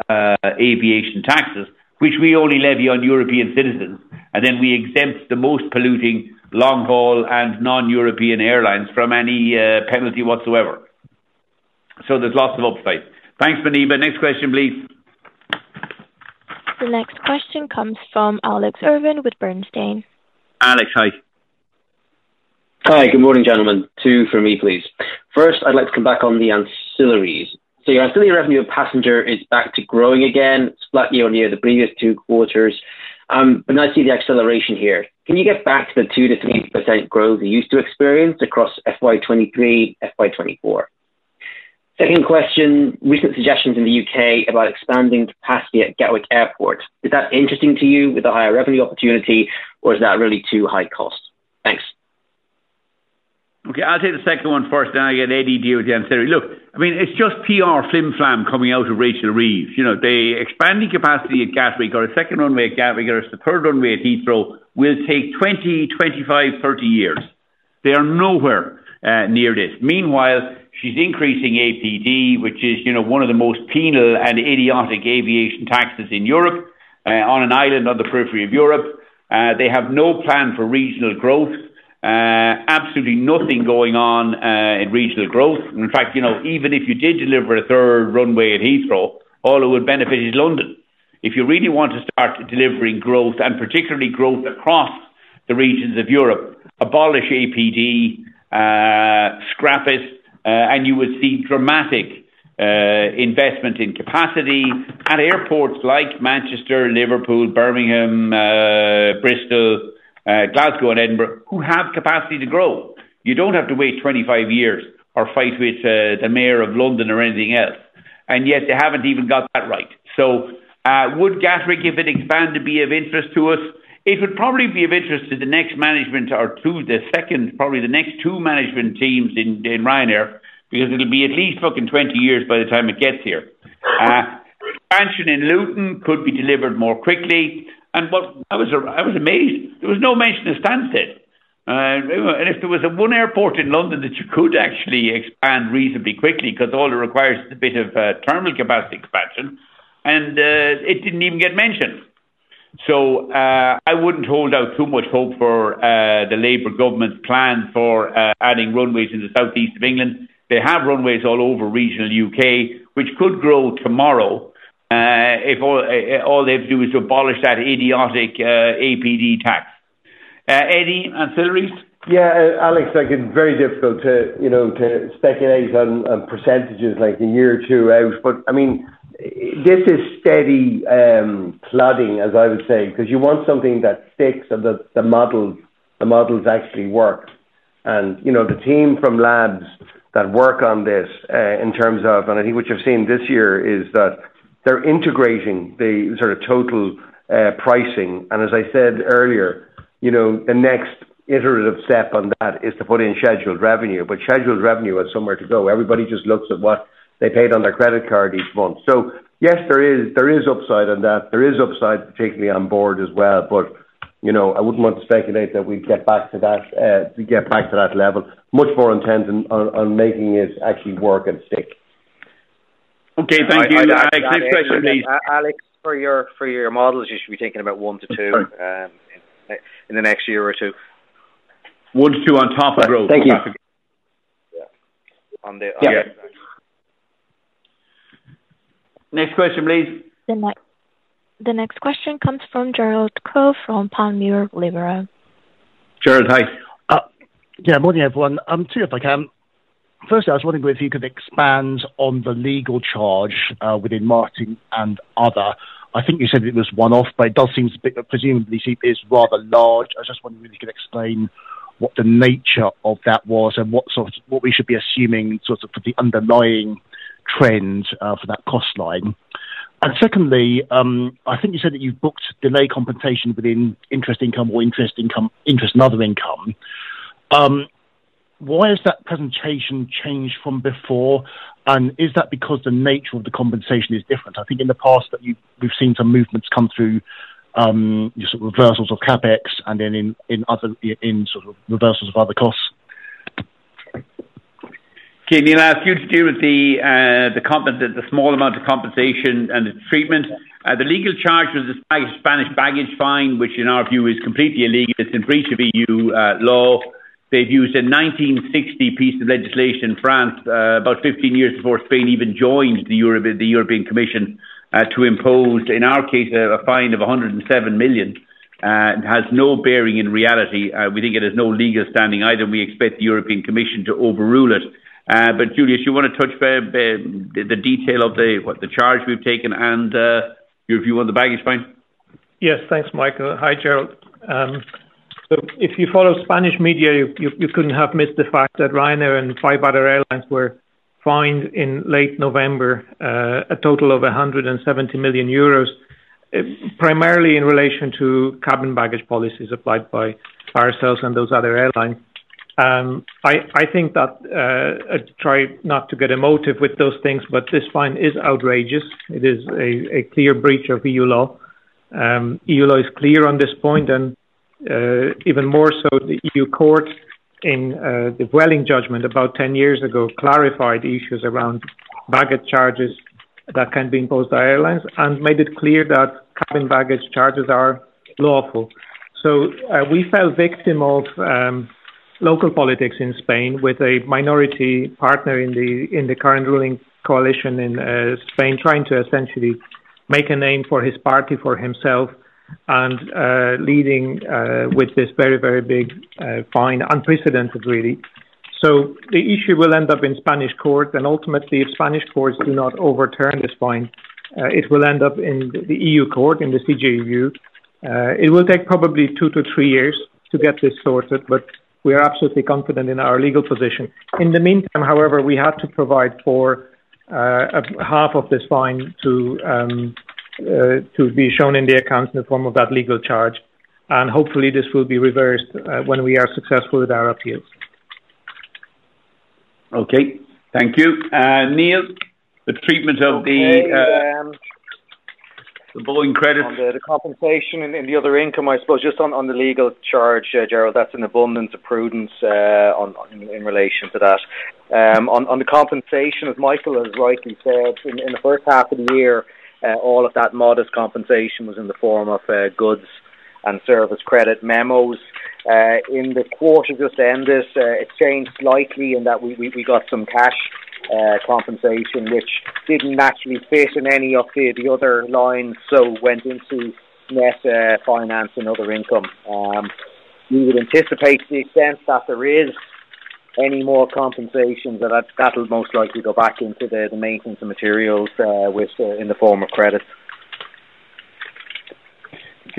aviation taxes, which we only levy on European citizens, and then we exempt the most polluting long-haul and non-European airlines from any penalty whatsoever, so there's lots of upside. Thanks, Muneeba. Next question, please. The next question comes from Alex Irving with Bernstein. Alex, hi. Hi, good morning, gentlemen. Two from me, please. First, I'd like to come back on the ancillaries. So your ancillary revenue of passenger is back to growing again, slightly on year the previous two quarters. But now I see the acceleration here. Can you get back to the 2%-3% growth you used to experience across FY23, FY24? Second question, recent suggestions in the UK about expanding capacity at Gatwick Airport. Is that interesting to you with the higher revenue opportunity, or is that really too high cost? Thanks. Okay. I'll take the second one first. Now I get ahead with the ancillary. Look, I mean, it's just PR flimflam coming out of Rachel Reeves. The expanding capacity at Gatwick, or a second runway at Gatwick, or a third runway at Heathrow will take 20, 25, 30 years. They are nowhere near this. Meanwhile, she's increasing APD, which is one of the most penal and idiotic aviation taxes in Europe, on an island on the periphery of Europe. They have no plan for regional growth. Absolutely nothing going on in regional growth. In fact, even if you did deliver a third runway at Heathrow, all it would benefit is London. If you really want to start delivering growth, and particularly growth across the regions of Europe, abolish APD, scrap it, and you would see dramatic investment in capacity at airports like Manchester, Liverpool, Birmingham, Bristol, Glasgow, and Edinburgh, who have capacity to grow. You don't have to wait 25 years or fight with the mayor of London or anything else. And yet, they haven't even got that right. So would Gatwick, if it expanded, be of interest to us? It would probably be of interest to the next management or to the second, probably the next two management teams in Ryanair, because it'll be at least fucking 20 years by the time it gets here. Expansion in Luton could be delivered more quickly. And I was amazed. There was no mention of Stansted. And if there was one airport in London that you could actually expand reasonably quickly, because all it requires is a bit of terminal capacity expansion, and it didn't even get mentioned. So I wouldn't hold out too much hope for the Labour government's plan for adding runways in the southeast of England. They have runways all over regional U.K., which could grow tomorrow if all they have to do is to abolish that idiotic APD tax. Eddie, ancillaries? Yeah. Alex, again, very difficult to speculate on percentages like a year or two out. But I mean, this is steady flooding, as I would say, because you want something that sticks and that the models actually work. And the team from labs that work on this in terms of, and I think what you've seen this year is that they're integrating the sort of total pricing. And as I said earlier, the next iterative step on that is to put in scheduled revenue. But scheduled revenue has somewhere to go. Everybody just looks at what they paid on their credit card each month. So yes, there is upside on that. There is upside, particularly on board as well. But I wouldn't want to speculate that we'd get back to that, get back to that level. Much more intent on making it actually work and stick. Okay. Thank you. Alex, next question, please. Alex, for your models, you should be thinking about one to two in the next year or two. One to two on top of growth. Thank you. Yeah. On the other end. Next question, please. The next question comes from Gerald Khoo from Panmure Liberum. Gerald, hi. Yeah, morning, everyone. Me too, if I can. First, I was wondering if you could expand on the legal charge within marketing and other. I think you said it was one-off, but it does seem presumably is rather large. I just wondered if you could explain what the nature of that was and what we should be assuming sort of for the underlying trend for that cost line. And secondly, I think you said that you've booked delayed compensation within interest income or interest and other income. Why has that presentation changed from before, and is that because the nature of the compensation is different? I think in the past that we've seen some movements come through sort of reversals of CapEx and then in sort of reversals of other costs. Okay. Any last few to do with the small amount of compensation and the treatment. The legal charge was this Spanish baggage fine, which in our view is completely illegal. It's in breach of EU law. They've used a 1960 piece of legislation in France about 15 years before Spain even joined the European Commission to impose, in our case, a fine of 107 million. It has no bearing in reality. We think it has no legal standing either, and we expect the European Commission to overrule it. But Julius, you want to touch the detail of the charge we've taken and your view on the baggage fine? Yes. Thanks, Michael. Hi, Gerald. So if you follow Spanish media, you couldn't have missed the fact that Ryanair and five other airlines were fined in late November a total of 170 million euros, primarily in relation to carry-on baggage policies applied by ourselves and those other airlines. I think that I try not to get emotive with those things, but this fine is outrageous. It is a clear breach of EU law. EU law is clear on this point, and even more so, the EU court in the Düsseldorf judgment about 10 years ago clarified issues around baggage charges that can be imposed by airlines and made it clear that carry-on baggage charges are lawful. So we fell victim of local politics in Spain with a minority partner in the current ruling coalition in Spain trying to essentially make a name for his party, for himself, and leading with this very, very big fine, unprecedented really. So the issue will end up in Spanish court, and ultimately, if Spanish courts do not overturn this fine, it will end up in the EU court, in the CJEU. It will take probably two to three years to get this sorted, but we are absolutely confident in our legal position. In the meantime, however, we had to provide for half of this fine to be shown in the accounts in the form of that legal charge. And hopefully, this will be reversed when we are successful with our appeals. Okay. Thank you. Neil, the treatment of the borrowing credit? The compensation and the other income, I suppose, just on the legal charge, Gerald, that's an abundance of prudence in relation to that. On the compensation, as Michael has rightly said, in the first half of the year, all of that modest compensation was in the form of goods and services credit memos. In the quarter just ended, it changed slightly in that we got some cash compensation, which didn't actually fit in any of the other lines, so went into net finance and other income. We would anticipate the extent that there is any more compensation, that that'll most likely go back into the maintenance and materials in the form of credits.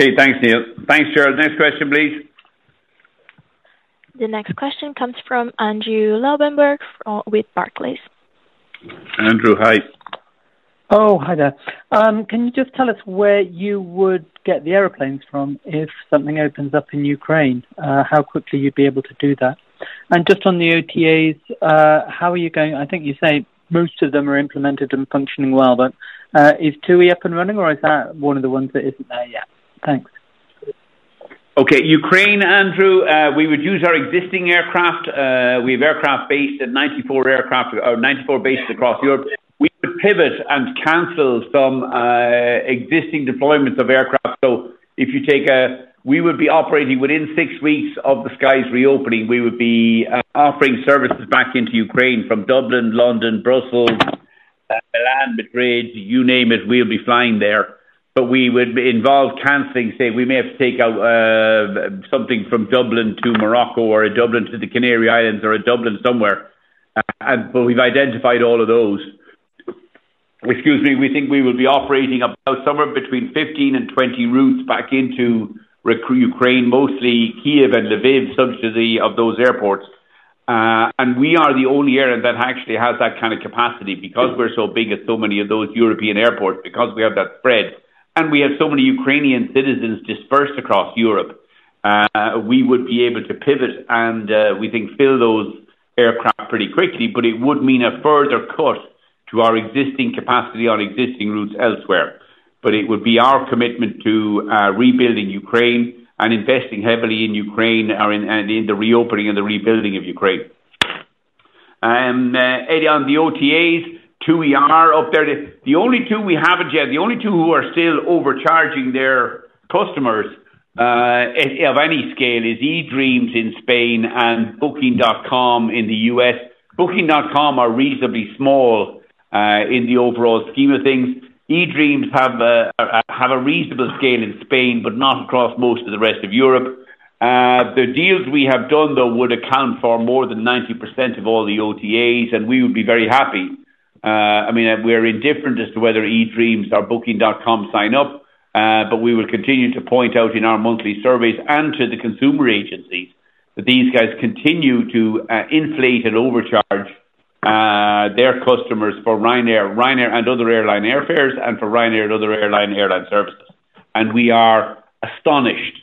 Okay. Thanks, Neil. Thanks, Gerald. Next question, please. The next question comes from Andrew Lobbenberg with Barclays. Andrew, hi. Oh, hi there. Can you just tell us where you would get the airplanes from if something opens up in Ukraine? How quickly you'd be able to do that? And just on the OTAs, how are you going? I think you say most of them are implemented and functioning well, but is TUI up and running, or is that one of the ones that isn't there yet? Thanks. Okay. Ukraine, Andrew, we would use our existing aircraft. We have aircraft based at 94 aircraft or 94 bases across Europe. We would pivot and cancel some existing deployments of aircraft. So if you take a we would be operating within six weeks of the skies reopening. We would be offering services back into Ukraine from Dublin, London, Brussels, Milan, Madrid, you name it. We would be flying there. But we would involve canceling, say, we may have to take out something from Dublin to Morocco or a Dublin to the Canary Islands or a Dublin somewhere. But we've identified all of those. Excuse me. We think we would be operating somewhere between 15 and 20 routes back into Ukraine, mostly Kyiv and Lviv, some of those airports. We are the only airline that actually has that kind of capacity because we're so big at so many of those European airports, because we have that spread. We have so many Ukrainian citizens dispersed across Europe. We would be able to pivot and we think fill those aircraft pretty quickly, but it would mean a further cut to our existing capacity on existing routes elsewhere. It would be our commitment to rebuilding Ukraine and investing heavily in Ukraine and in the reopening and the rebuilding of Ukraine. Eddie, on the OTAs, TUI are up there. The only two we haven't yet, the only two who are still overcharging their customers of any scale is eDreams in Spain and Booking.com in the U.S. Booking.com are reasonably small in the overall scheme of things. eDreams has a reasonable scale in Spain, but not across most of the rest of Europe. The deals we have done, though, would account for more than 90% of all the OTAs, and we would be very happy. I mean, we're indifferent as to whether eDreams or Booking.com sign up, but we will continue to point out in our monthly surveys and to the consumer agencies that these guys continue to inflate and overcharge their customers for Ryanair and other airline airfares and for Ryanair and other airline services. We are astonished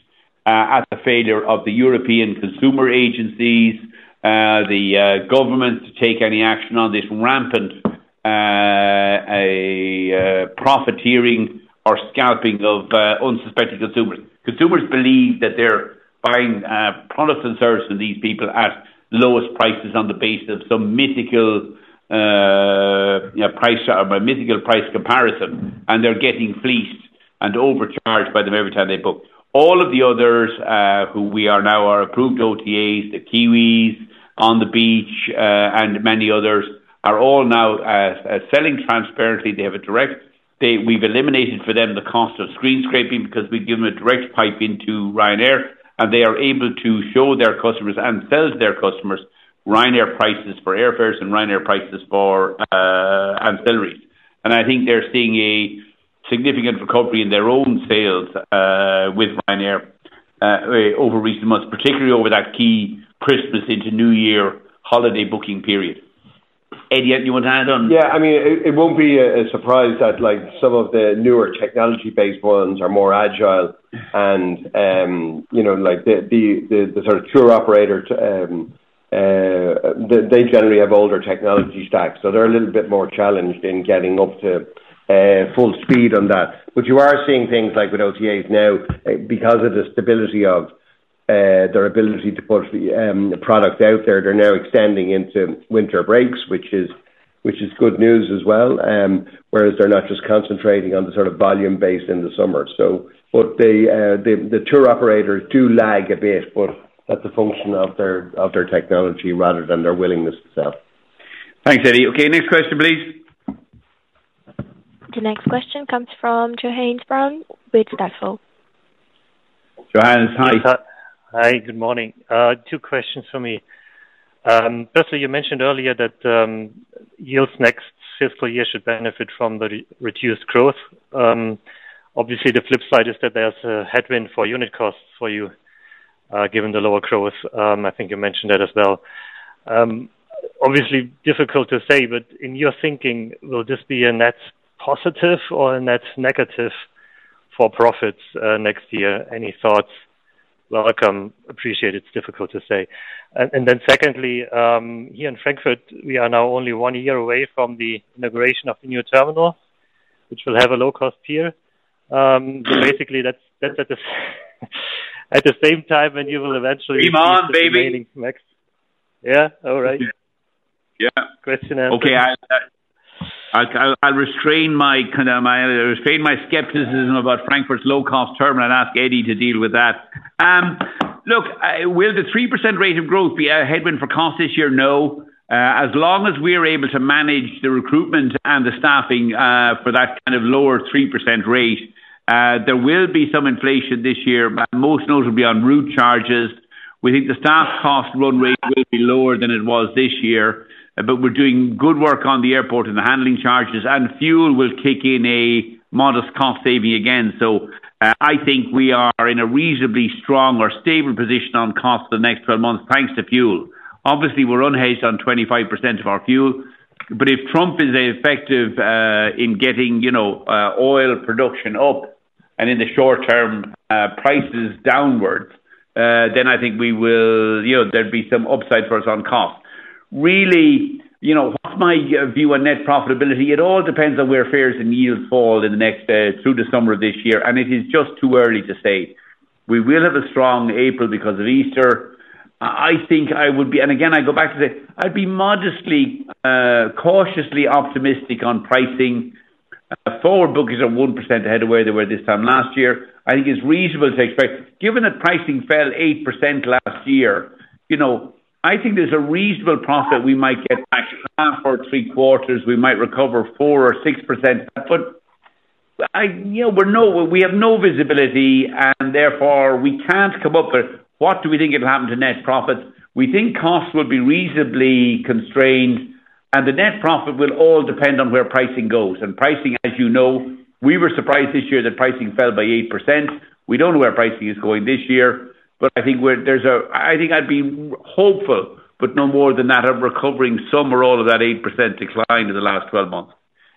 at the failure of the European consumer agencies, the government to take any action on this rampant profiteering or scalping of unsuspecting consumers. Consumers believe that they're buying products and services from these people at lowest prices on the basis of some mythical price comparison, and they're getting fleeced and overcharged by them every time they book. All of the others which we now are approved OTAs, the Kiwi, On the Beach, and many others are all now selling transparently. They have a direct. We've eliminated for them the cost of screen scraping because we give them a direct pipe into Ryanair, and they are able to show their customers and sell to their customers Ryanair prices for airfares and Ryanair prices for ancillaries. I think they're seeing a significant recovery in their own sales with Ryanair over recent months, particularly over that key Christmas into New Year holiday booking period. Eddie, you want to add on? Yeah. I mean, it won't be a surprise that some of the newer technology-based ones are more agile. The sort of tour operator, they generally have older technology stacks, so they're a little bit more challenged in getting up to full speed on that. But you are seeing things like with OTAs now, because of the stability of their ability to put product out there. They're now extending into winter breaks, which is good news as well, whereas they're not just concentrating on the sort of volume based in the summer. So the tour operators do lag a bit, but that's a function of their technology rather than their willingness to sell. Thanks, Eddie. Okay. Next question, please. The next question comes from Johannes Braun with Stifel. Johannes, hi. Hi. Good morning. Two questions for me. Firstly, you mentioned earlier that yields next fiscal year should benefit from the reduced growth. Obviously, the flip side is that there's a headwind for unit costs for you given the lower growth. I think you mentioned that as well. Obviously, difficult to say, but in your thinking, will this be a net positive or a net negative for profits next year? Any thoughts? Welcome. Appreciate it. It's difficult to say. And then secondly, here in Frankfurt, we are now only one year away from the inauguration of the new terminal, which will have a low-cost pier. So basically, that's at the same time when you will eventually be explaining next. Keep on, baby. Yeah? All right. Yeah. Question answer. Okay. I'll restrain my skepticism about Frankfurt's low-cost terminal and ask Eddie to deal with that. Look, will the 3% rate of growth be a headwind for cost this year? No. As long as we are able to manage the recruitment and the staffing for that kind of lower 3% rate, there will be some inflation this year, most notably on route charges. We think the staff cost run rate will be lower than it was this year, but we're doing good work on the airport and the handling charges, and fuel will kick in a modest cost saving again. So I think we are in a reasonably strong or stable position on cost for the next 12 months, thanks to fuel. Obviously, we're unhedged on 25% of our fuel, but if Trump is effective in getting oil production up and in the short term prices downwards, then I think we will there'll be some upside for us on cost. Really, what's my view on net profitability? It all depends on where fares and yields fall in the next through the summer of this year, and it is just too early to say. We will have a strong April because of Easter. I think I would be and again, I go back to say, I'd be modestly cautiously optimistic on pricing for bookings of 1% ahead of where they were this time last year. I think it's reasonable to expect, given that pricing fell 8% last year, I think there's a reasonable profit we might get back half or three quarters. We might recover four or six%, but we have no visibility, and therefore, we can't come up with what do we think it'll happen to net profits. We think costs will be reasonably constrained, and the net profit will all depend on where pricing goes, and pricing, as you know, we were surprised this year that pricing fell by eight%. We don't know where pricing is going this year, but I think I'd be hopeful, but no more than that of recovering some or all of that eight% decline in the last 12 months.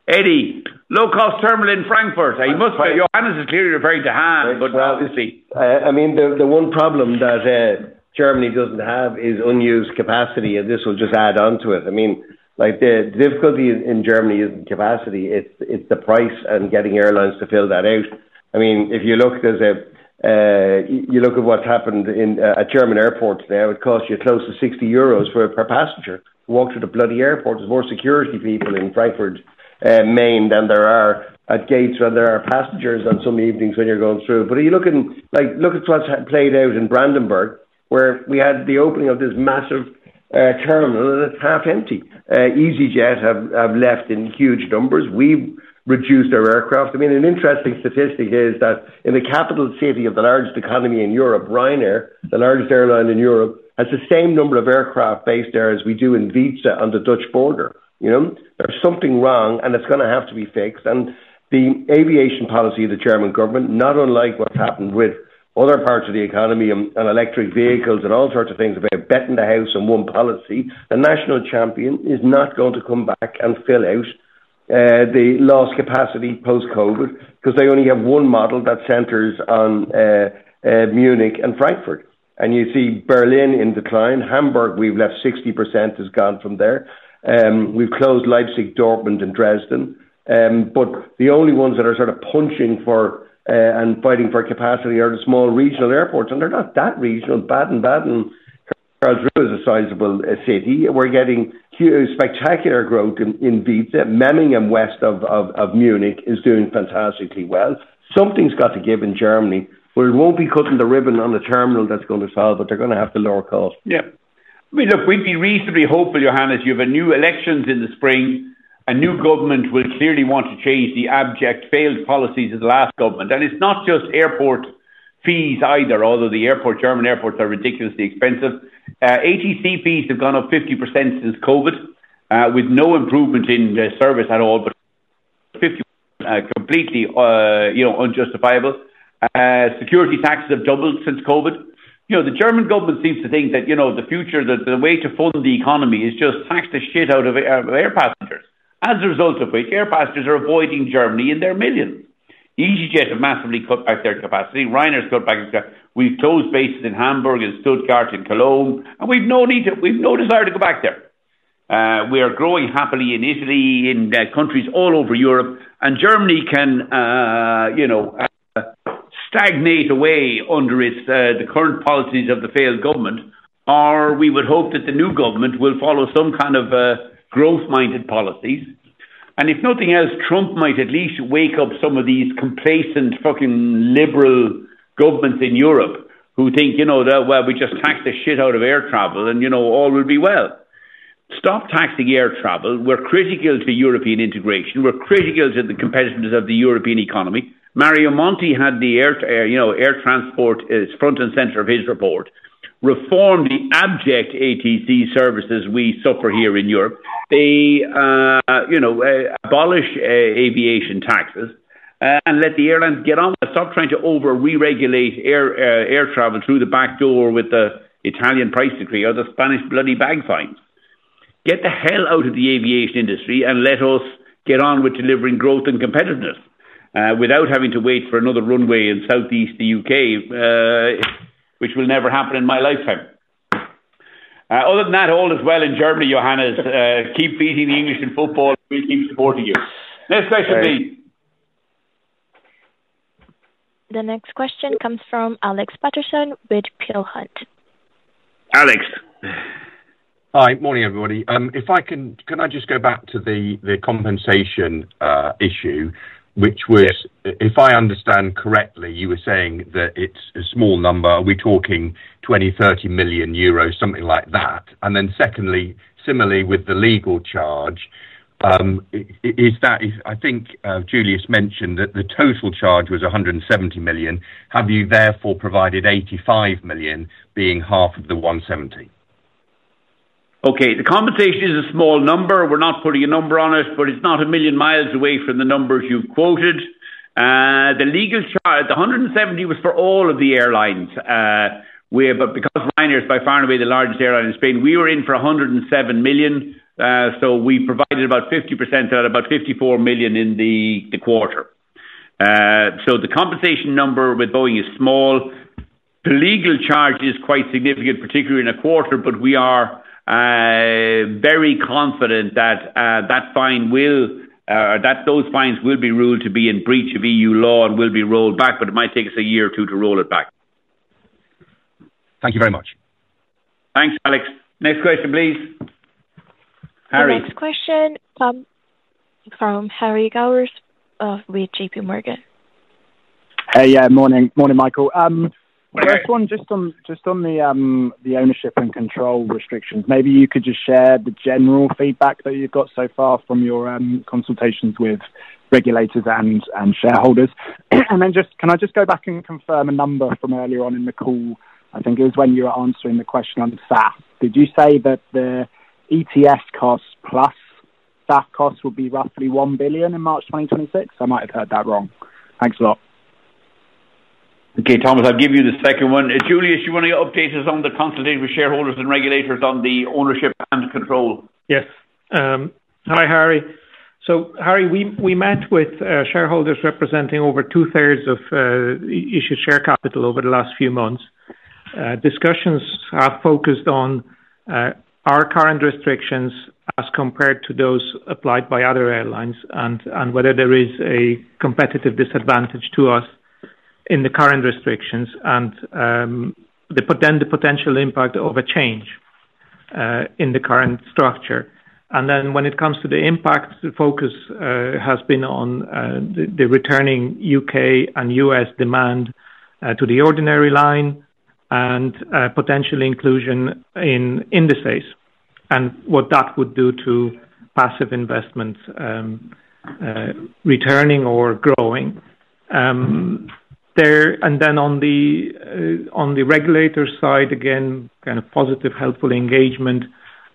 Eddie, low-cost terminal in Frankfurt. You must be. Johannes is clearly referring to Hansa, but obviously. I mean, the one problem that Germany doesn't have is unused capacity, and this will just add on to it. I mean, the difficulty in Germany isn't capacity. It's the price and getting airlines to fill that out. I mean, if you look at what's happened at German airports now, it costs you close to 60 euros per passenger to walk through the bloody airport. There's more security people in Frankfurt am Main than there are at Gatwick when there are passengers on some evenings when you're going through. Look at what's played out in Brandenburg, where we had the opening of this massive terminal, and it's half empty. easyJet have left in huge numbers. We've reduced our aircraft. I mean, an interesting statistic is that in the capital city of the largest economy in Europe, Ryanair, the largest airline in Europe, has the same number of aircraft based there as we do in Weeze on the Dutch border. There's something wrong, and it's going to have to be fixed. The aviation policy of the German government, not unlike what's happened with other parts of the economy on electric vehicles and all sorts of things that they have bet in the house on one policy, the national champion is not going to come back and fill out the lost capacity post-COVID because they only have one model that centers on Munich and Frankfurt. You see Berlin in decline. Hamburg, we've left. 60% has gone from there. We've closed Leipzig, Dortmund, and Dresden. But the only ones that are sort of punching and fighting for capacity are the small regional airports, and they're not that regional. Baden-Baden is a sizable city. We're getting spectacular growth in Weeze. Memmingen, west of Munich, is doing fantastically well. Something's got to give in Germany, but it won't be cutting the ribbon on the terminal that's going to solve it. They're going to have to lower costs. Yeah. I mean, look, we'd be reasonably hopeful, Johannes. You have new elections in the spring. A new government will clearly want to change the abject failed policies of the last government. And it's not just airport fees either, although the German airports are ridiculously expensive. ATC fees have gone up 50% since COVID, with no improvement in service at all, but 50% completely unjustifiable. Security taxes have doubled since COVID. The German government seems to think that the future, the way to fund the economy is just tax the shit out of air passengers. As a result of which, air passengers are avoiding Germany in their millions. EasyJet have massively cut back their capacity. Ryanair's cut back. We've closed bases in Hamburg and Stuttgart and Cologne, and we've no desire to go back there. We are growing happily in Italy, in countries all over Europe, and Germany can stagnate away under the current policies of the failed government, or we would hope that the new government will follow some kind of growth-minded policies, and if nothing else, Trump might at least wake up some of these complacent fucking liberal governments in Europe who think, "Well, we just tax the shit out of air travel, and all will be well." Stop taxing air travel. We're critical to European integration. We're critical to the competitiveness of the European economy. Mario Monti had the air transport as front and center of his report. Reform the abject ATC services we suffer here in Europe. Abolish aviation taxes and let the airlines get on that. Stop trying to over-reregulate air travel through the back door with the Italian price decree or the Spanish bloody bag fines. Get the hell out of the aviation industry and let us get on with delivering growth and competitiveness without having to wait for another runway in the southeast of the U.K., which will never happen in my lifetime. Other than that, all is well in Germany, Johannes. Keep beating the English in football, and we'll keep supporting you. Next question, please. The next question comes from Alex Paterson with Peel Hunt. Alex. Hi. Morning, everybody. If I can, can I just go back to the compensation issue, which was, if I understand correctly, you were saying that it's a small number. Are we talking 20 million-30 million euros, something like that? And then secondly, similarly with the legal charge, is that I think Julius mentioned that the total charge was 170 million. Have you therefore provided 85 million being half of the 170million? Okay. The compensation is a small number. We're not putting a number on it, but it's not a million miles away from the numbers you've quoted. The legal charge, the 170 million was for all of the airlines. But because Ryanair is by far and away the largest airline in Spain, we were in for 107 million. So we provided about 50%, about 54 million in the quarter. So the compensation number with Boeing is small. The legal charge is quite significant, particularly in a quarter, but we are very confident that those fines will be ruled to be in breach of EU law and will be rolled back, but it might take us a year or two to roll it back. Thank you very much. Thanks, Alex. Next question, please. Harry. The next question from Harry Gowers with JPMorgan. Hey. Yeah. Morning, Michael. First one, just on the ownership and control restrictions, maybe you could just share the general feedback that you've got so far from your consultations with regulators and shareholders. And then just can I just go back and confirm a number from earlier on in the call? I think it was when you were answering the question on SAF. Did you say that the ETS costs plus SAF costs would be roughly 1 billion in March 2026? I might have heard that wrong. Thanks a lot. Okay, Thomas, I'll give you the second one. Julius, you want to update us on the consultation with shareholders and regulators on the ownership and control? Yes. Hi, Harry. So Harry, we met with shareholders representing over two-thirds of issued share capital over the last few months. Discussions are focused on our current restrictions as compared to those applied by other airlines and whether there is a competitive disadvantage to us in the current restrictions and then the potential impact of a change in the current structure. And then when it comes to the impact, the focus has been on the returning U.K. and U.S. demand to the ordinary line and potential inclusion in indices, and what that would do to passive investments returning or growing. And then on the regulator side, again, kind of positive, helpful engagement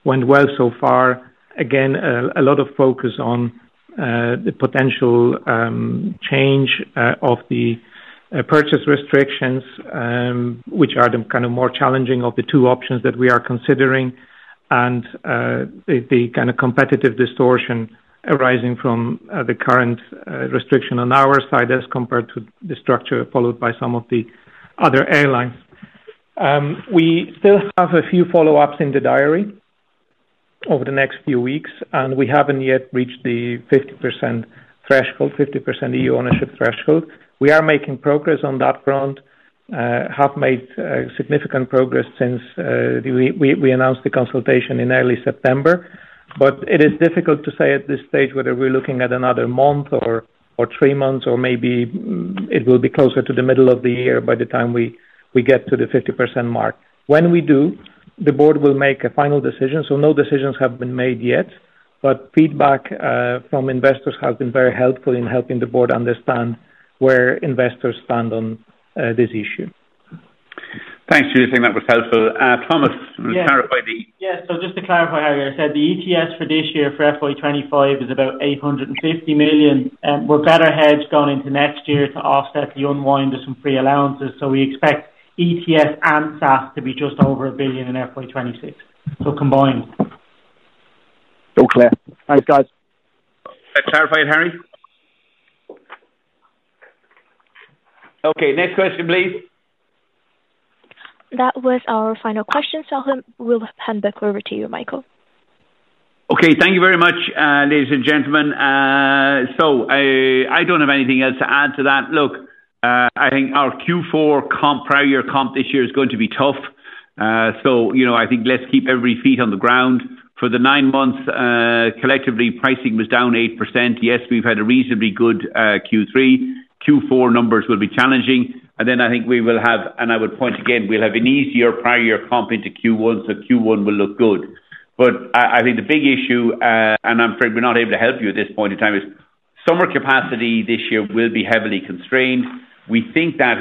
went well so far. Again, a lot of focus on the potential change of the purchase restrictions, which are the kind of more challenging of the two options that we are considering, and the kind of competitive distortion arising from the current restriction on our side as compared to the structure followed by some of the other airlines. We still have a few follow-ups in the diary over the next few weeks, and we haven't yet reached the 50% threshold, 50% EU ownership threshold. We are making progress on that front, have made significant progress since we announced the consultation in early September, but it is difficult to say at this stage whether we're looking at another month or three months, or maybe it will be closer to the middle of the year by the time we get to the 50% mark. When we do, the board will make a final decision. No decisions have been made yet, but feedback from investors has been very helpful in helping the board understand where investors stand on this issue. Thanks, Julius. I think that was helpful. Thomas, we'll clarify the. Yeah. So just to clarify, Harry, I said the ETS for this year for FY25 is about 850 million. We're better hedged going into next year to offset the unwind of some pre-allowances. So we expect ETS and SAF to be just over 1 billion in FY26. So combined. All clear. Thanks, guys. Clarify it, Harry. Okay. Next question, please. That was our final question. So we'll hand back over to you, Michael. Okay. Thank you very much, ladies and gentlemen. So I don't have anything else to add to that. Look, I think our Q4 comp, prior year comp this year is going to be tough. So I think let's keep every feet on the ground. For the nine months, collectively, pricing was down 8%. Yes, we've had a reasonably good Q3. Q4 numbers will be challenging. And then I think we will have, and I would point again, we'll have an easier prior year comp into Q1, so Q1 will look good. But I think the big issue, and I'm afraid we're not able to help you at this point in time, is summer capacity this year will be heavily constrained. We think that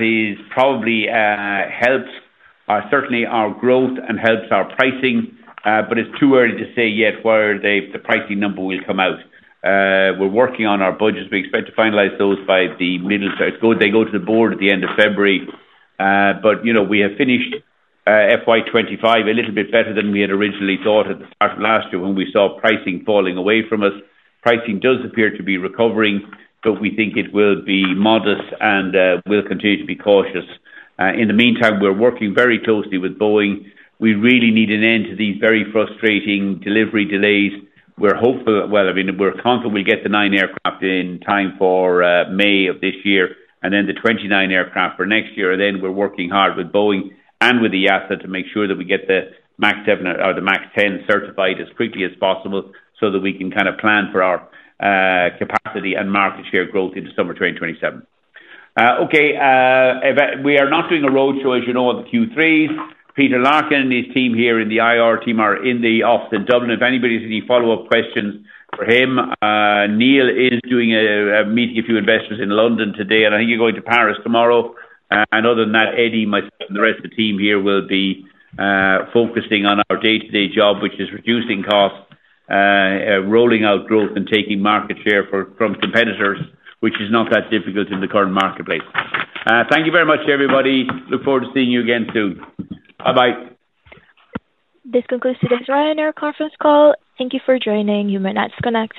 probably helps certainly our growth and helps our pricing, but it's too early to say yet where the pricing number will come out. We're working on our budgets. We expect to finalize those by the middle, they go to the board at the end of February. But we have finished FY25 a little bit better than we had originally thought at the start of last year when we saw pricing falling away from us. Pricing does appear to be recovering, but we think it will be modest, and we'll continue to be cautious. In the meantime, we're working very closely with Boeing. We really need an end to these very frustrating delivery delays. We're hopeful that, well, I mean, we're confident we'll get the nine aircraft in time for May of this year and then the 29 aircraft for next year. Then we're working hard with Boeing and with EASA to make sure that we get the MAX 7 or the MAX 10 certified as quickly as possible so that we can kind of plan for our capacity and market share growth into summer 2027. Okay. We are not doing a roadshow, as you know, on the Q3s. Peter Larkin and his team here in the IR team are in the office in Dublin. If anybody has any follow-up questions for him, Neil is doing a meeting with a few investors in London today, and I think you're going to Paris tomorrow. Other than that, Eddie, myself, and the rest of the team here will be focusing on our day-to-day job, which is reducing costs, rolling out growth, and taking market share from competitors, which is not that difficult in the current marketplace. Thank you very much, everybody. Look forward to seeing you again soon. Bye-bye. This concludes today's Ryanair conference call. Thank you for joining. You may now disconnect.